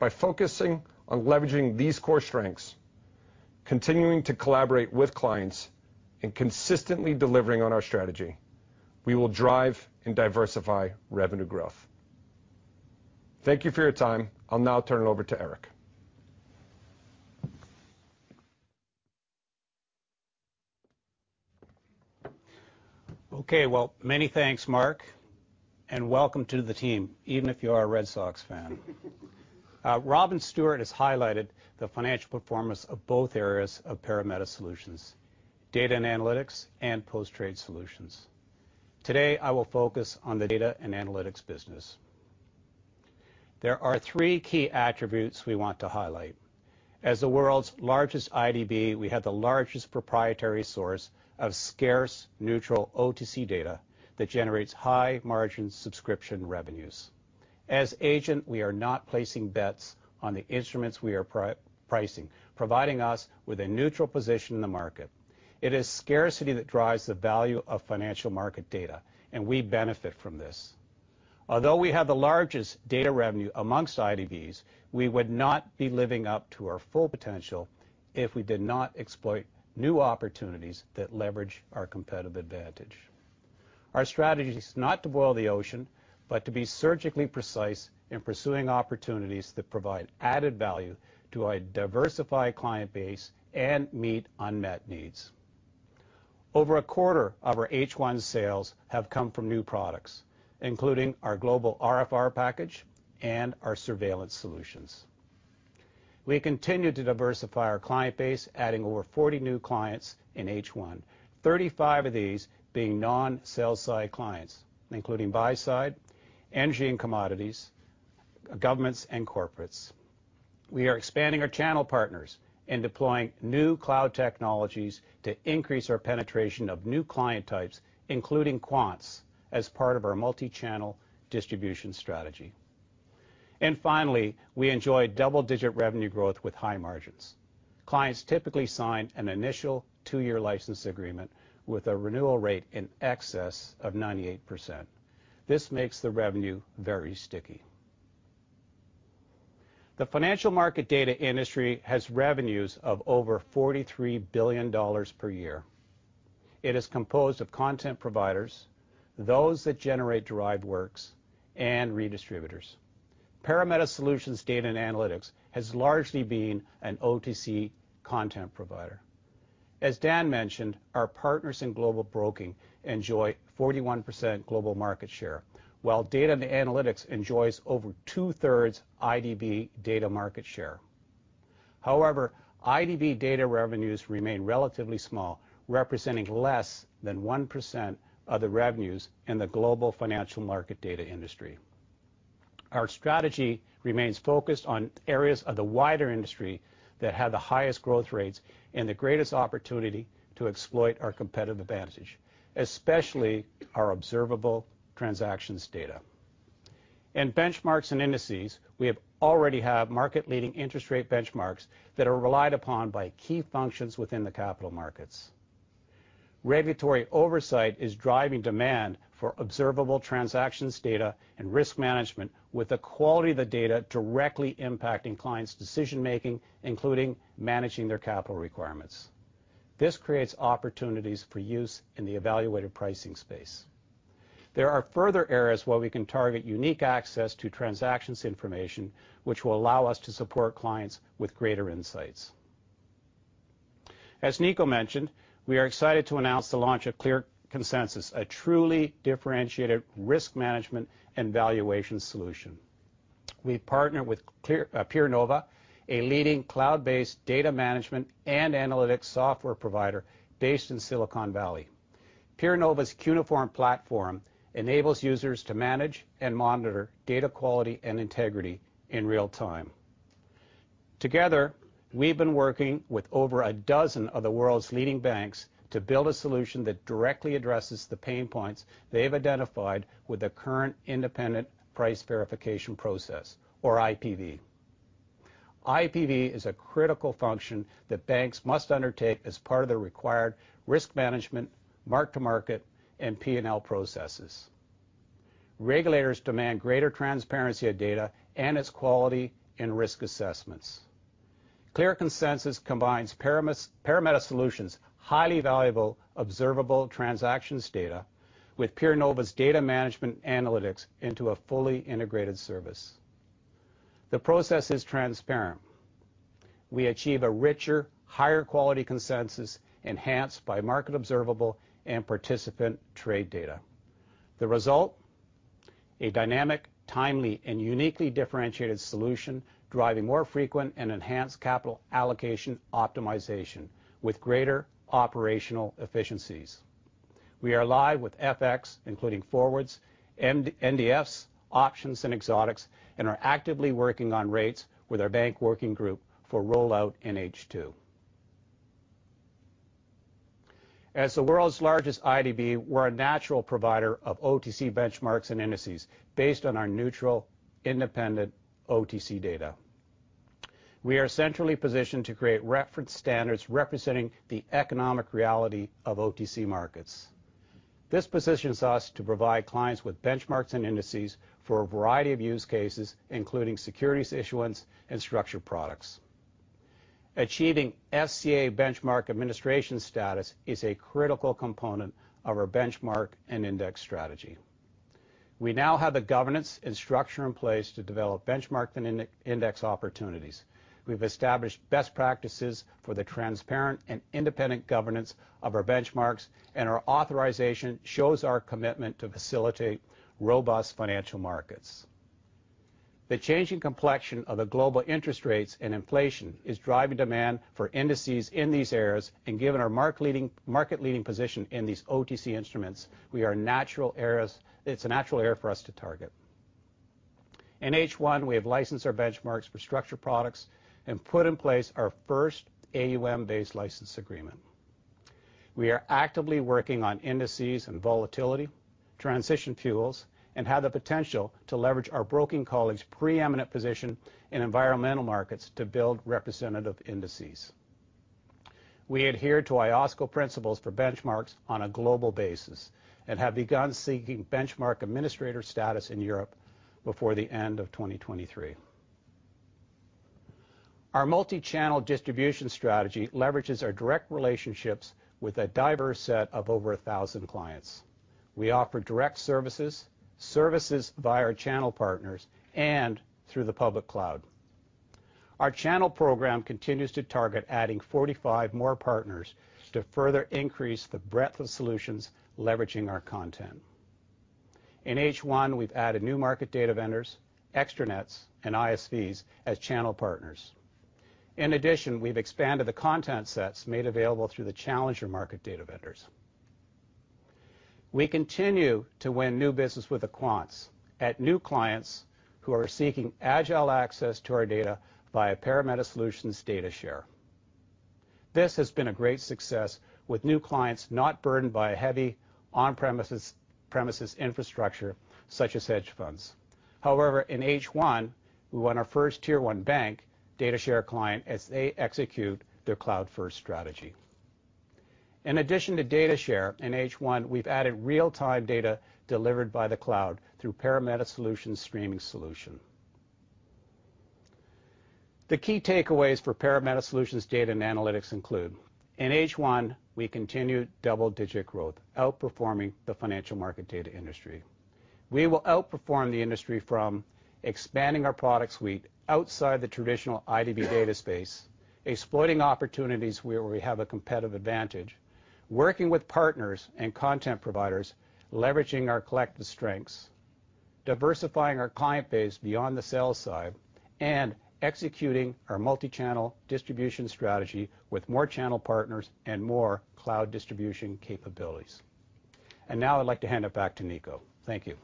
By focusing on leveraging these core strengths, continuing to collaborate with clients, and consistently delivering on our strategy, we will drive and diversify revenue growth. Thank you for your time. I'll now turn it over to Eric. Okay. Well, many thanks, Mark, and welcome to the team, even if you are a Red Sox fan. Robin Stewart has highlighted the financial performance of both areas of Parameta Solutions, data and analytics and post-trade solutions. Today, I will focus on the data and analytics business. There are three key attributes we want to highlight. As the world's largest IDB, we have the largest proprietary source of scarce neutral OTC data that generates high-margin subscription revenues. As agent, we are not placing bets on the instruments we are pricing, providing us with a neutral position in the market. It is scarcity that drives the value of financial market data, and we benefit from this. Although we have the largest data revenue among IDBs, we would not be living up to our full potential if we did not exploit new opportunities that leverage our competitive advantage. Our strategy is not to boil the ocean, but to be surgically precise in pursuing opportunities that provide added value to a diversified client base and meet unmet needs. Over a quarter of our H1 sales have come from new products, including our Global RFR package and our surveillance solutions. We continue to diversify our client base, adding over 40 new clients in H1, 35 of these being non-sell-side clients, including buy-side, Energy & Commodities, governments, and corporates. We are expanding our channel partners and deploying new cloud technologies to increase our penetration of new client types, including quants, as part of our multichannel distribution strategy. Finally, we enjoy double-digit revenue growth with high margins. Clients typically sign an initial two-year license agreement with a renewal rate in excess of 98%. This makes the revenue very sticky. The financial market data industry has revenues of over $43 billion per year. It is composed of content providers, those that generate derived works, and redistributors. Parameta Solutions data and analytics has largely been an OTC content provider. As Dan mentioned, our partners in Global Broking enjoy 41% global market share, while data and analytics enjoys over 2/3 IDB data market share. However, IDB data revenues remain relatively small, representing less than 1% of the revenues in the global financial market data industry. Our strategy remains focused on areas of the wider industry that have the highest growth rates and the greatest opportunity to exploit our competitive advantage, especially our observable transactions data. In benchmarks and indices, we have already market-leading interest rate benchmarks that are relied upon by key functions within the capital markets. Regulatory oversight is driving demand for observable transactions data and risk management with the quality of the data directly impacting clients' decision-making, including managing their capital requirements. This creates opportunities for use in the evaluative pricing space. There are further areas where we can target unique access to transactions information which will allow us to support clients with greater insights. As Nico mentioned, we are excited to announce the launch of Clear Consensus, a truly differentiated risk management and valuation solution. We've partnered with Clear, PeerNova, a leading cloud-based data management and analytics software provider based in Silicon Valley. PeerNova's Cuneiform platform enables users to manage and monitor data quality and integrity in real time. Together, we've been working with over a dozen of the world's leading banks to build a solution that directly addresses the pain points they've identified with the current independent price verification process, or IPV. IPV is a critical function that banks must undertake as part of their required risk management, mark-to-market, and P&L processes. Regulators demand greater transparency of data and its quality in risk assessments. Clear Consensus combines Parameta Solutions' highly valuable observable transactions data with PeerNova's data management analytics into a fully integrated service. The process is transparent. We achieve a richer, higher quality consensus enhanced by market observable and participant trade data. The result, a dynamic, timely, and uniquely differentiated solution, driving more frequent and enhanced capital allocation optimization with greater operational efficiencies. We are live with FX, including forwards, NDFs, options, and exotics, and are actively working on rates with our bank working group for rollout in H2. As the world's largest IDB, we're a natural provider of OTC benchmarks and indices based on our neutral, independent OTC data. We are centrally positioned to create reference standards representing the economic reality of OTC markets. This positions us to provide clients with benchmarks and indices for a variety of use cases, including securities issuance and structured products. Achieving FCA benchmark administration status is a critical component of our benchmark and index strategy. We now have the governance and structure in place to develop benchmark and index opportunities. We've established best practices for the transparent and independent governance of our benchmarks, and our authorization shows our commitment to facilitate robust financial markets. The changing complexion of the global interest rates and inflation is driving demand for indices in these areas, and given our market-leading position in these OTC instruments, it's a natural area for us to target. In H1, we have licensed our benchmarks for structured products and put in place our first AUM-based license agreement. We are actively working on indices and volatility, transition fuels, and have the potential to leverage our broking's pre-eminent position in environmental markets to build representative indices. We adhere to IOSCO principles for benchmarks on a global basis and have begun seeking benchmark administrator status in Europe before the end of 2023. Our multi-channel distribution strategy leverages our direct relationships with a diverse set of over 1,000 clients. We offer direct services via our channel partners, and through the public cloud. Our channel program continues to target adding 45 more partners to further increase the breadth of solutions leveraging our content. In H1, we've added new market data vendors, extranets, and ISVs as channel partners. In addition, we've expanded the content sets made available through the challenger market data vendors. We continue to win new business with the quants at new clients who are seeking agile access to our data via Parameta Solutions Data Share. This has been a great success with new clients not burdened by a heavy on-premises infrastructure such as hedge funds. However, in H1, we won our first tier 1 bank Data Share client as they execute their cloud-first strategy. In addition to Data Share, in H1, we've added real-time data delivered by the cloud through Parameta Solutions Streamer solution. The key takeaways for Parameta Solutions data and analytics include in H1, we continue double-digit growth, outperforming the financial market data industry. We will outperform the industry from expanding our product suite outside the traditional IDB data space, exploiting opportunities where we have a competitive advantage, working with partners and content providers, leveraging our collective strengths, diversifying our client base beyond the sell side, and executing our multichannel distribution strategy with more channel partners and more cloud distribution capabilities. Now I'd like to hand it back to Nico. Thank you.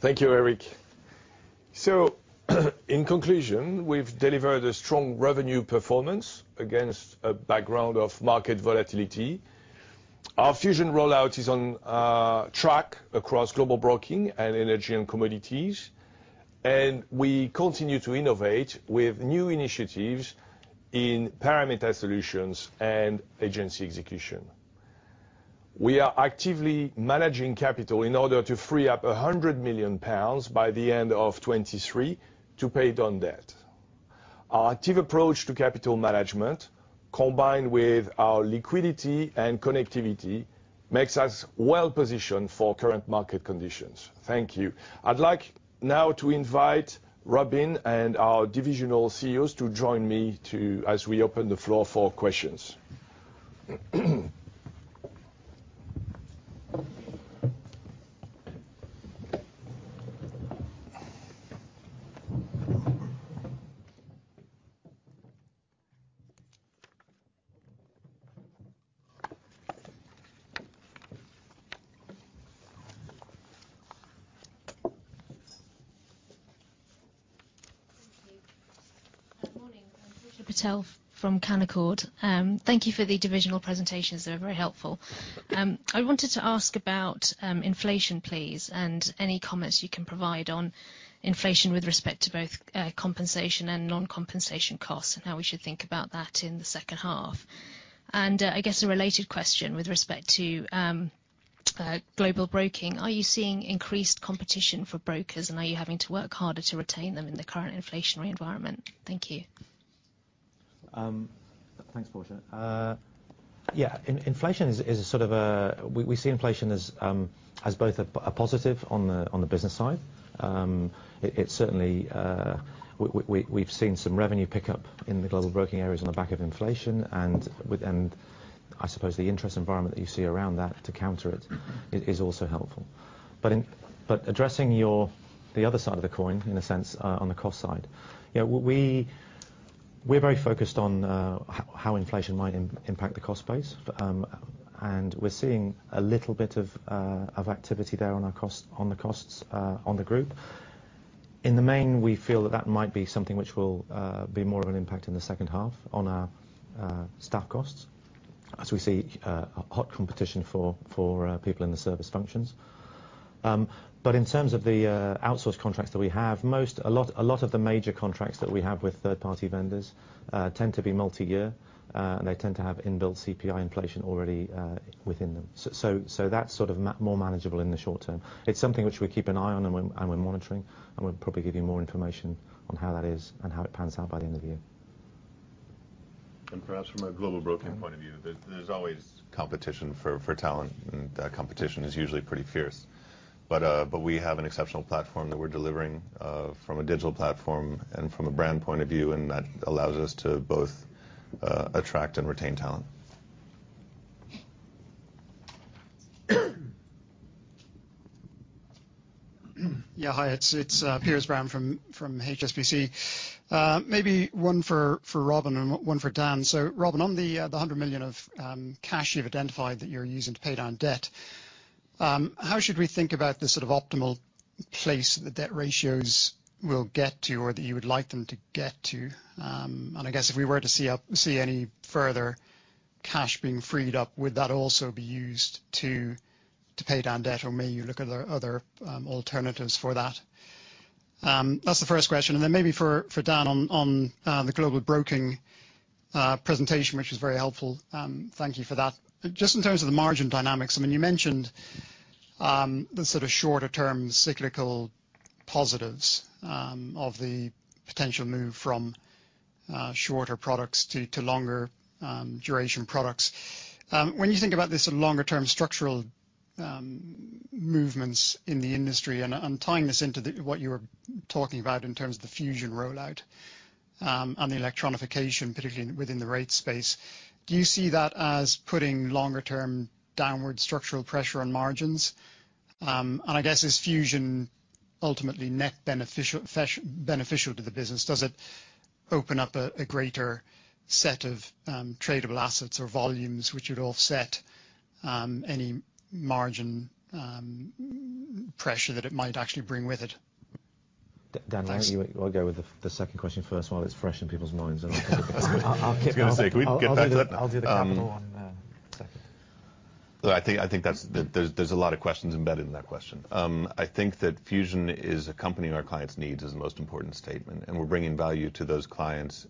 Thank you, Eric. In conclusion, we've delivered a strong revenue performance against a background of market volatility. Our Fusion rollout is on track across Global Broking and Energy & Commodities, and we continue to innovate with new initiatives in Parameta Solutions and Agency Execution. We are actively managing capital in order to free up 100 million pounds by the end of 2023 to pay down debt. Our active approach to capital management, combined with our liquidity and connectivity, makes us well positioned for current market conditions. Thank you. I'd like to invite Robin and our divisional CEOs to join me as we open the floor for questions. Thank you. Good morning. I'm Portia Patel from Canaccord Genuity. Thank you for the divisional presentations. They were very helpful. I wanted to ask about inflation please, and any comments you can provide on inflation with respect to both compensation and non-compensation costs, and how we should think about that in the second half. I guess a related question with respect to Global Broking, are you seeing increased competition for brokers, and are you having to work harder to retain them in the current inflationary environment? Thank you. Thanks, Portia. Yeah. We see inflation as both a positive on the business side. It's certainly. We've seen some revenue pickup in the Global Broking areas on the back of inflation. I suppose the interest environment that you see around that to counter it is also helpful. Addressing the other side of the coin, in a sense, on the cost side. You know, we're very focused on how inflation might impact the cost base. We're seeing a little bit of activity there on our costs on the group. In the main, we feel that might be something which will be more of an impact in the second half on our staff costs as we see hot competition for people in the service functions. In terms of the outsource contracts that we have, a lot of the major contracts that we have with third-party vendors tend to be multi-year, and they tend to have inbuilt CPI inflation already within them. That's sort of more manageable in the short term. It's something which we keep an eye on, and we're monitoring, and we'll probably give you more information on how that is and how it pans out by the end of the year. Perhaps from a Global Broking point of view, there's always competition for talent, and that competition is usually pretty fierce. We have an exceptional platform that we're delivering from a digital platform and from a brand point of view, and that allows us to both attract and retain talent. Yeah. Hi, it's Piers Brown from HSBC. Maybe one for Robin and one for Dan. Robin, on the 100 million of cash you've identified that you're using to pay down debt, how should we think about the sort of optimal place the debt ratios will get to or that you would like them to get to? I guess if we were to see any further cash being freed up, would that also be used to pay down debt, or may you look at other alternatives for that? That's the first question. Maybe for Dan, on the Global Broking presentation, which was very helpful, thank you for that. Just in terms of the margin dynamics, I mean, you mentioned the sort of shorter-term cyclical positives of the potential move from shorter products to longer duration products. When you think about this longer-term structural movements in the industry, and I'm tying this into what you were talking about in terms of the Fusion rollout and the electronification, particularly within the rates space, do you see that as putting longer-term downward structural pressure on margins? And I guess, is Fusion ultimately net beneficial to the business? Does it open up a greater set of tradable assets or volumes which would offset any margin pressure that it might actually bring with it? Dan, why don't you- Thanks. I'll go with the second question first while it's fresh in people's minds, and I'll take the first one. I was gonna say, can we get back to that? I'll do the capital one second. I think that's. There's a lot of questions embedded in that question. I think that Fusion is accompanying our clients' needs is the most important statement, and we're bringing value to those clients,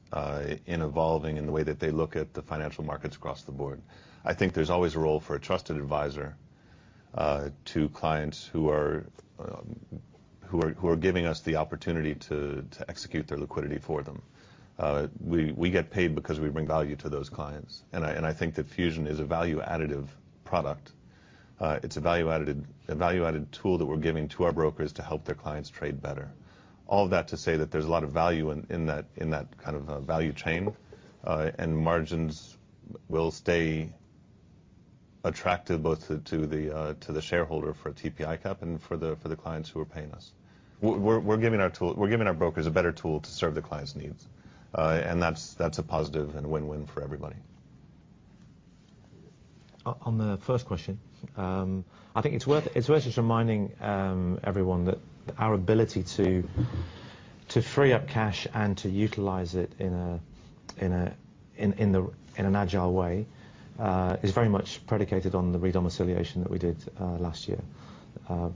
in evolving in the way that they look at the financial markets across the board. I think there's always a role for a trusted advisor, to clients who are giving us the opportunity to execute their liquidity for them. We get paid because we bring value to those clients, and I think that Fusion is a value additive product. It's a value-added tool that we're giving to our brokers to help their clients trade better. All of that to say that there's a lot of value in that kind of value chain, and margins will stay attractive both to the shareholder for TP ICAP and for the clients who are paying us. We're giving our brokers a better tool to serve the clients' needs, and that's a positive and a win-win for everybody. On the first question, I think it's worth just reminding everyone that our ability to free up cash and to utilize it in an agile way is very much predicated on the redomiciliation that we did last year.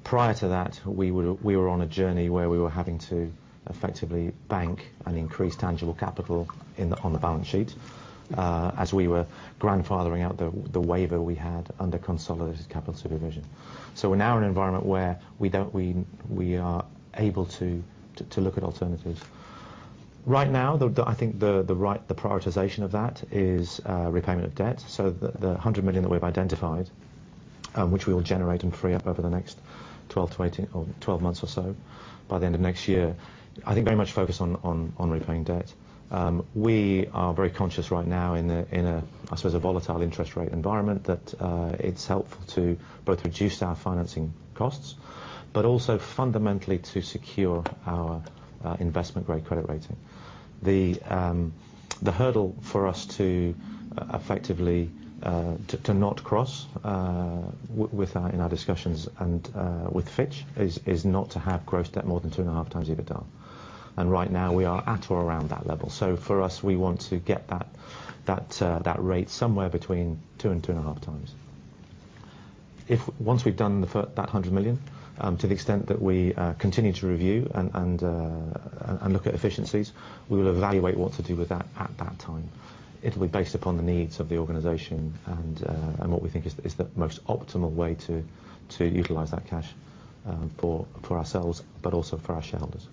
Prior to that, we were on a journey where we were having to effectively bank and increase tangible capital on the balance sheet as we were grandfathering out the waiver we had under consolidated capital supervision. We're now in an environment where we are able to look at alternatives. Right now, I think the right prioritization of that is repayment of debt. The 100 million that we've identified, which we will generate and free up over the next 12 months or so, by the end of next year, I think very much focused on repaying debt. We are very conscious right now in a I suppose a volatile interest rate environment that it's helpful to both reduce our financing costs, but also fundamentally to secure our investment-grade credit rating. The hurdle for us to effectively to not cross with our in our discussions and with Fitch is not to have gross debt more than 2.5 times EBITDA. Right now we are at or around that level. For us, we want to get that rate somewhere between two and two and a half times. If, once we've done that 100 million, to the extent that we continue to review and look at efficiencies, we will evaluate what to do with that at that time. It'll be based upon the needs of the organization and what we think is the most optimal way to utilize that cash for ourselves, but also for our shareholders.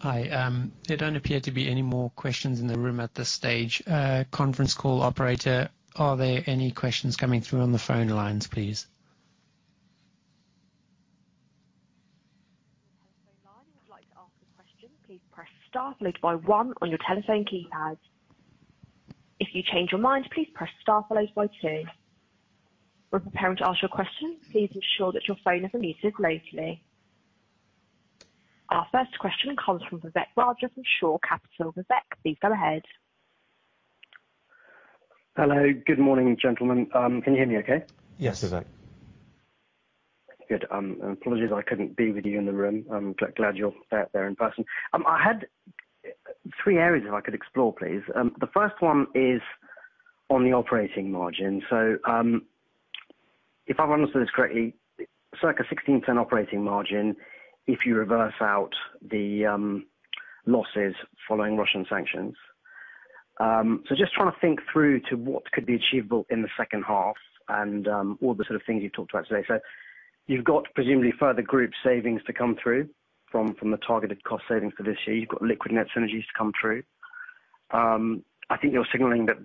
Hi. There don't appear to be any more questions in the room at this stage. Conference call operator, are there any questions coming through on the phone lines, please? If you'd like to ask a question, please press star followed by one on your telephone keypad. If you change your mind, please press star followed by two. When preparing to ask your question, please ensure that your phone is unmuted locally. Our first question comes from Vivek Raja from Shore Capital. Vivek, please go ahead. Hello. Good morning, gentlemen. Can you hear me okay? Yes, Vivek. Good. Apologies I couldn't be with you in the room. I'm glad you're out there in person. I had three areas that I could explore, please. The first one is on the operating margin. If I've understood this correctly, like a 16% operating margin, if you reverse out the losses following Russian sanctions. Just trying to think through to what could be achievable in the second half and all the sort of things you've talked about today. You've got presumably further group savings to come through from the targeted cost savings for this year. You've got Liquidnet synergies to come through. I think you're signaling that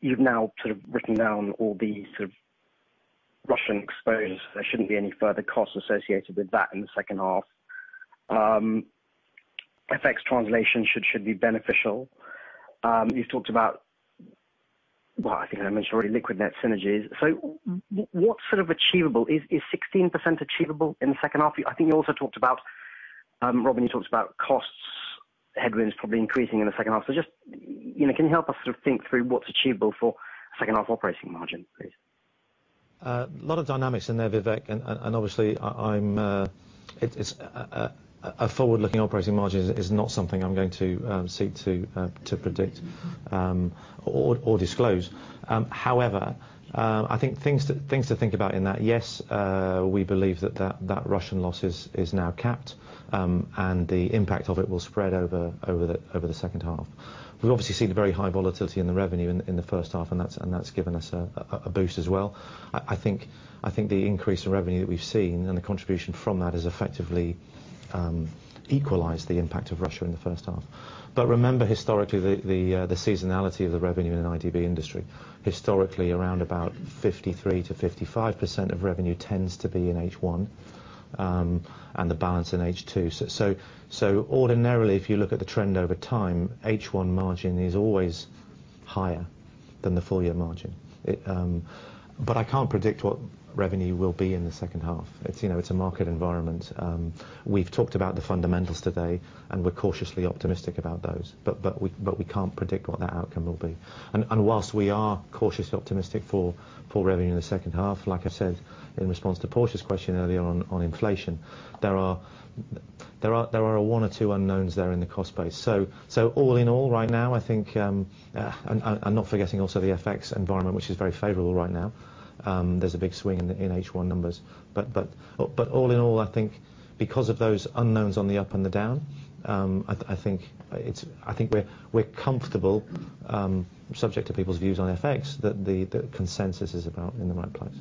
you've now sort of written down all the sort of Russian exposure. There shouldn't be any further costs associated with that in the second half. FX translation should be beneficial. You've talked about, well, I think I mentioned already, Liquidnet synergies. What's sort of achievable? Is 16% achievable in the second half? I think you also talked about, Robin, you talked about costs, headwinds probably increasing in the second half. Just, you know, can you help us sort of think through what's achievable for second half operating margin, please? A lot of dynamics in there, Vivek. Obviously, a forward-looking operating margin is not something I'm going to seek to predict or disclose. However, I think things to think about in that, yes, we believe that Russian loss is now capped, and the impact of it will spread over the second half. We've obviously seen the very high volatility in the revenue in the first half, and that's given us a boost as well. I think the increase in revenue that we've seen and the contribution from that has effectively equalized the impact of Russia in the first half. Remember, historically, the seasonality of the revenue in the IDB industry, historically around 53%-55% of revenue tends to be in H1, and the balance in H2. Ordinarily, if you look at the trend over time, H1 margin is always higher than the full year margin. I can't predict what revenue will be in the second half. It's, you know, a market environment. We've talked about the fundamentals today, and we're cautiously optimistic about those, but we can't predict what that outcome will be. Whilst we are cautiously optimistic for revenue in the second half, like I said in response to Portia's question earlier on inflation, there are one or two unknowns there in the cost base. All in all, right now I think, and not forgetting also the FX environment, which is very favorable right now. There's a big swing in the H1 numbers. All in all, I think because of those unknowns on the up and the down, I think we're comfortable, subject to people's views on FX that the consensus is about in the right place.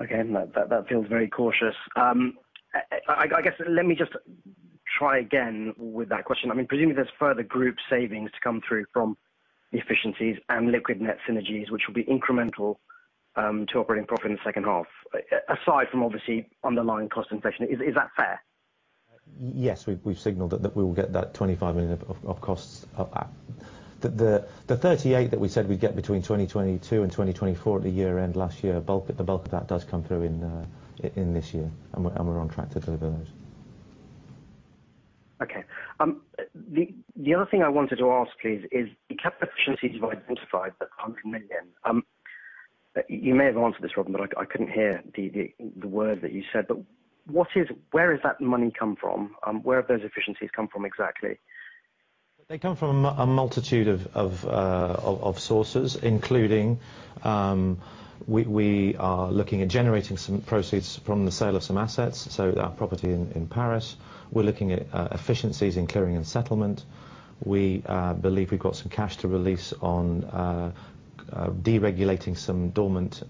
Okay. That feels very cautious. I guess let me just try again with that question. I mean, presumably there's further group savings to come through from the efficiencies and Liquidnet synergies, which will be incremental to operating profit in the second half, aside from obviously underlying cost inflation. Is that fair? Yes. We've signaled that we will get that 25 million of costs of that. The 38 million that we said we'd get between 2022 and 2024 at the year end last year, the bulk of that does come through in this year, and we're on track to deliver those. The other thing I wanted to ask is the capital efficiencies you've identified, the 100 million. You may have answered this, Robin, but I couldn't hear the word that you said. Where does that money come from? Where have those efficiencies come from exactly? They come from a multitude of sources, including we are looking at generating some proceeds from the sale of some assets, so our property in Paris. We're looking at efficiencies in clearing and settlement. We believe we've got some cash to release on deregulating some dormant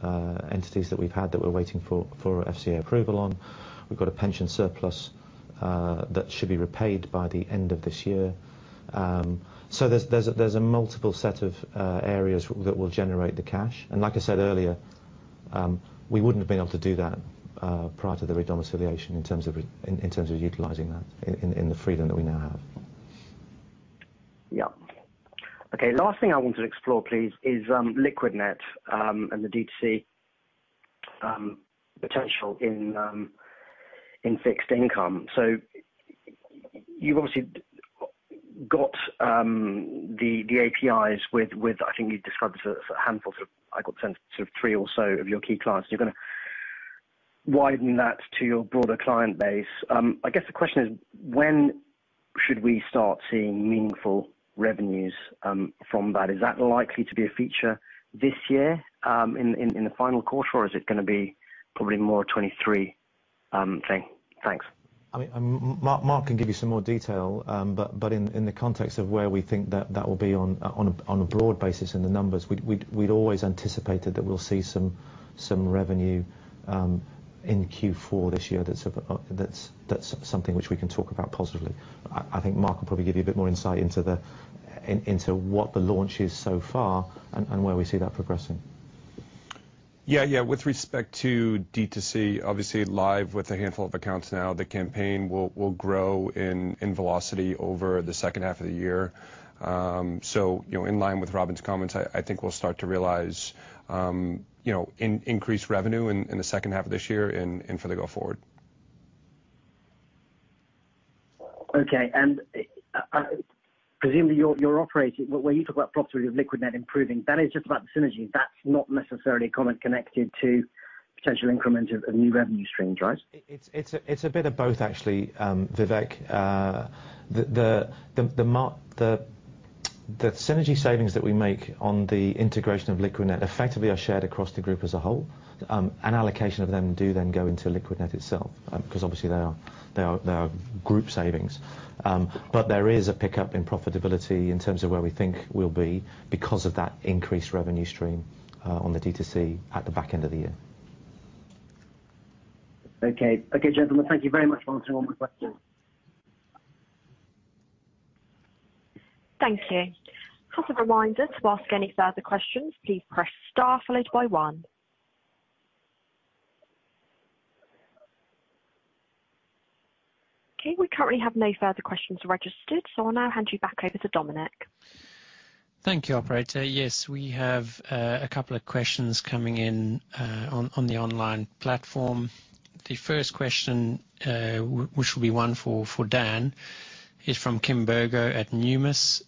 entities that we've had that we're waiting for FCA approval on. We've got a pension surplus that should be repaid by the end of this year. There's a multiple set of areas that will generate the cash. Like I said earlier, we wouldn't have been able to do that prior to the redomiciliation in terms of utilizing that in the freedom that we now have. Last thing I want to explore please is Liquidnet and the D2C potential in fixed income. You've obviously got the APIs with I think you described as a handful, sort of I got sent sort of three or so of your key clients. You're gonna widen that to your broader client base. I guess the question is when should we start seeing meaningful revenues from that? Is that likely to be a feature this year in the final quarter or is it gonna be probably more 2023 thing? Thanks. I mean, Mark can give you some more detail, but in the context of where we think that will be on a broad basis in the numbers, we'd always anticipated that we'll see some revenue in Q4 this year that's something which we can talk about positively. I think Mark will probably give you a bit more insight into what the launch is so far and where we see that progressing. Yeah. With respect to D2C, obviously live with a handful of accounts now. The campaign will grow in velocity over the second half of the year. You know, in line with Robin's comments, I think we'll start to realize increased revenue in the second half of this year and going forward. Okay. Presumably, when you talk about profitability of Liquidnet improving, that is just about the synergy. That's not necessarily a comment connected to potential increment of new revenue streams, right? It's a bit of both actually, Vivek. The synergy savings that we make on the integration of Liquidnet effectively are shared across the group as a whole. An allocation of them do then go into Liquidnet itself, 'cause obviously they are group savings. There is a pickup in profitability in terms of where we think we'll be because of that increased revenue stream on the D2C at the back end of the year. Okay, gentlemen. Thank you very much for answering all my questions. Thank you. Just a reminder to ask any further questions, please press star followed by one. Okay. We currently have no further questions registered, so I'll now hand you back over to Dominic. Thank you, operator. Yes, we have a couple of questions coming in on the online platform. The first question, which will be one for Dan, is from Kimberly Burrows at Numis.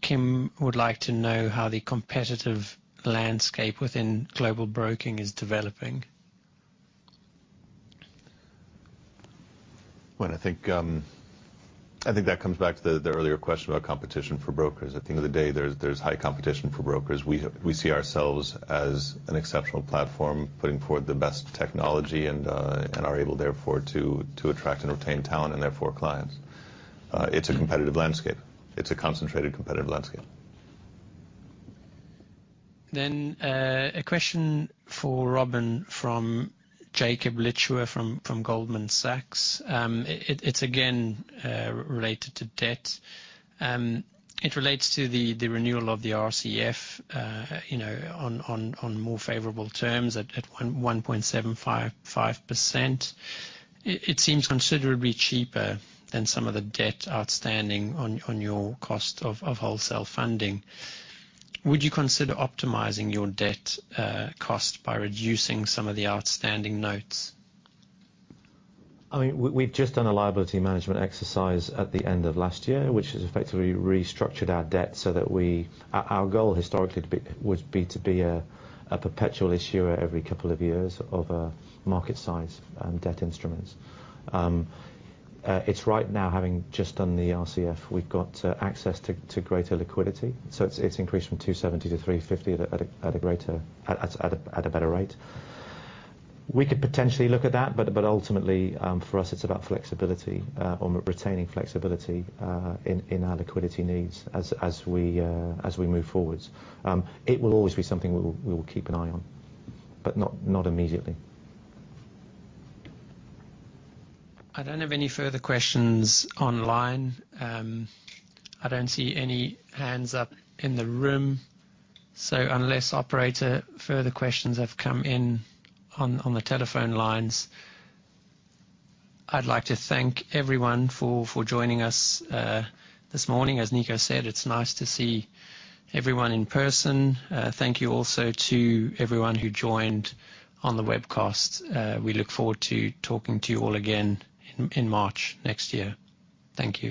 Kim would like to know how the competitive landscape within Global Broking is developing. Well, I think that comes back to the earlier question about competition for brokers. At the end of the day, there's high competition for brokers. We see ourselves as an exceptional platform, putting forward the best technology and are able therefore to attract and retain talent and therefore clients. It's a competitive landscape. It's a concentrated competitive landscape. A question for Robin from Jakub Lichwa from Goldman Sachs. It’s again related to debt. It relates to the renewal of the RCF, you know, on more favorable terms at 1.755%. It seems considerably cheaper than some of the debt outstanding on your cost of wholesale funding. Would you consider optimizing your debt cost by reducing some of the outstanding notes? I mean, we've just done a liability management exercise at the end of last year, which has effectively restructured our debt so that our goal historically was to be a perpetual issuer every couple of years of market-size debt instruments. We're right now, having just done the RCF. We've got access to greater liquidity, so it's increased from 270-350 at a better rate. We could potentially look at that, but ultimately, for us it's about flexibility on retaining flexibility in our liquidity needs as we move forwards. It will always be something we will keep an eye on, but not immediately. I don't have any further questions online. I don't see any hands up in the room. Unless operator further questions have come in on the telephone lines, I'd like to thank everyone for joining us this morning. As Nico said, it's nice to see everyone in person. Thank you also to everyone who joined on the webcast. We look forward to talking to you all again in March next year. Thank you.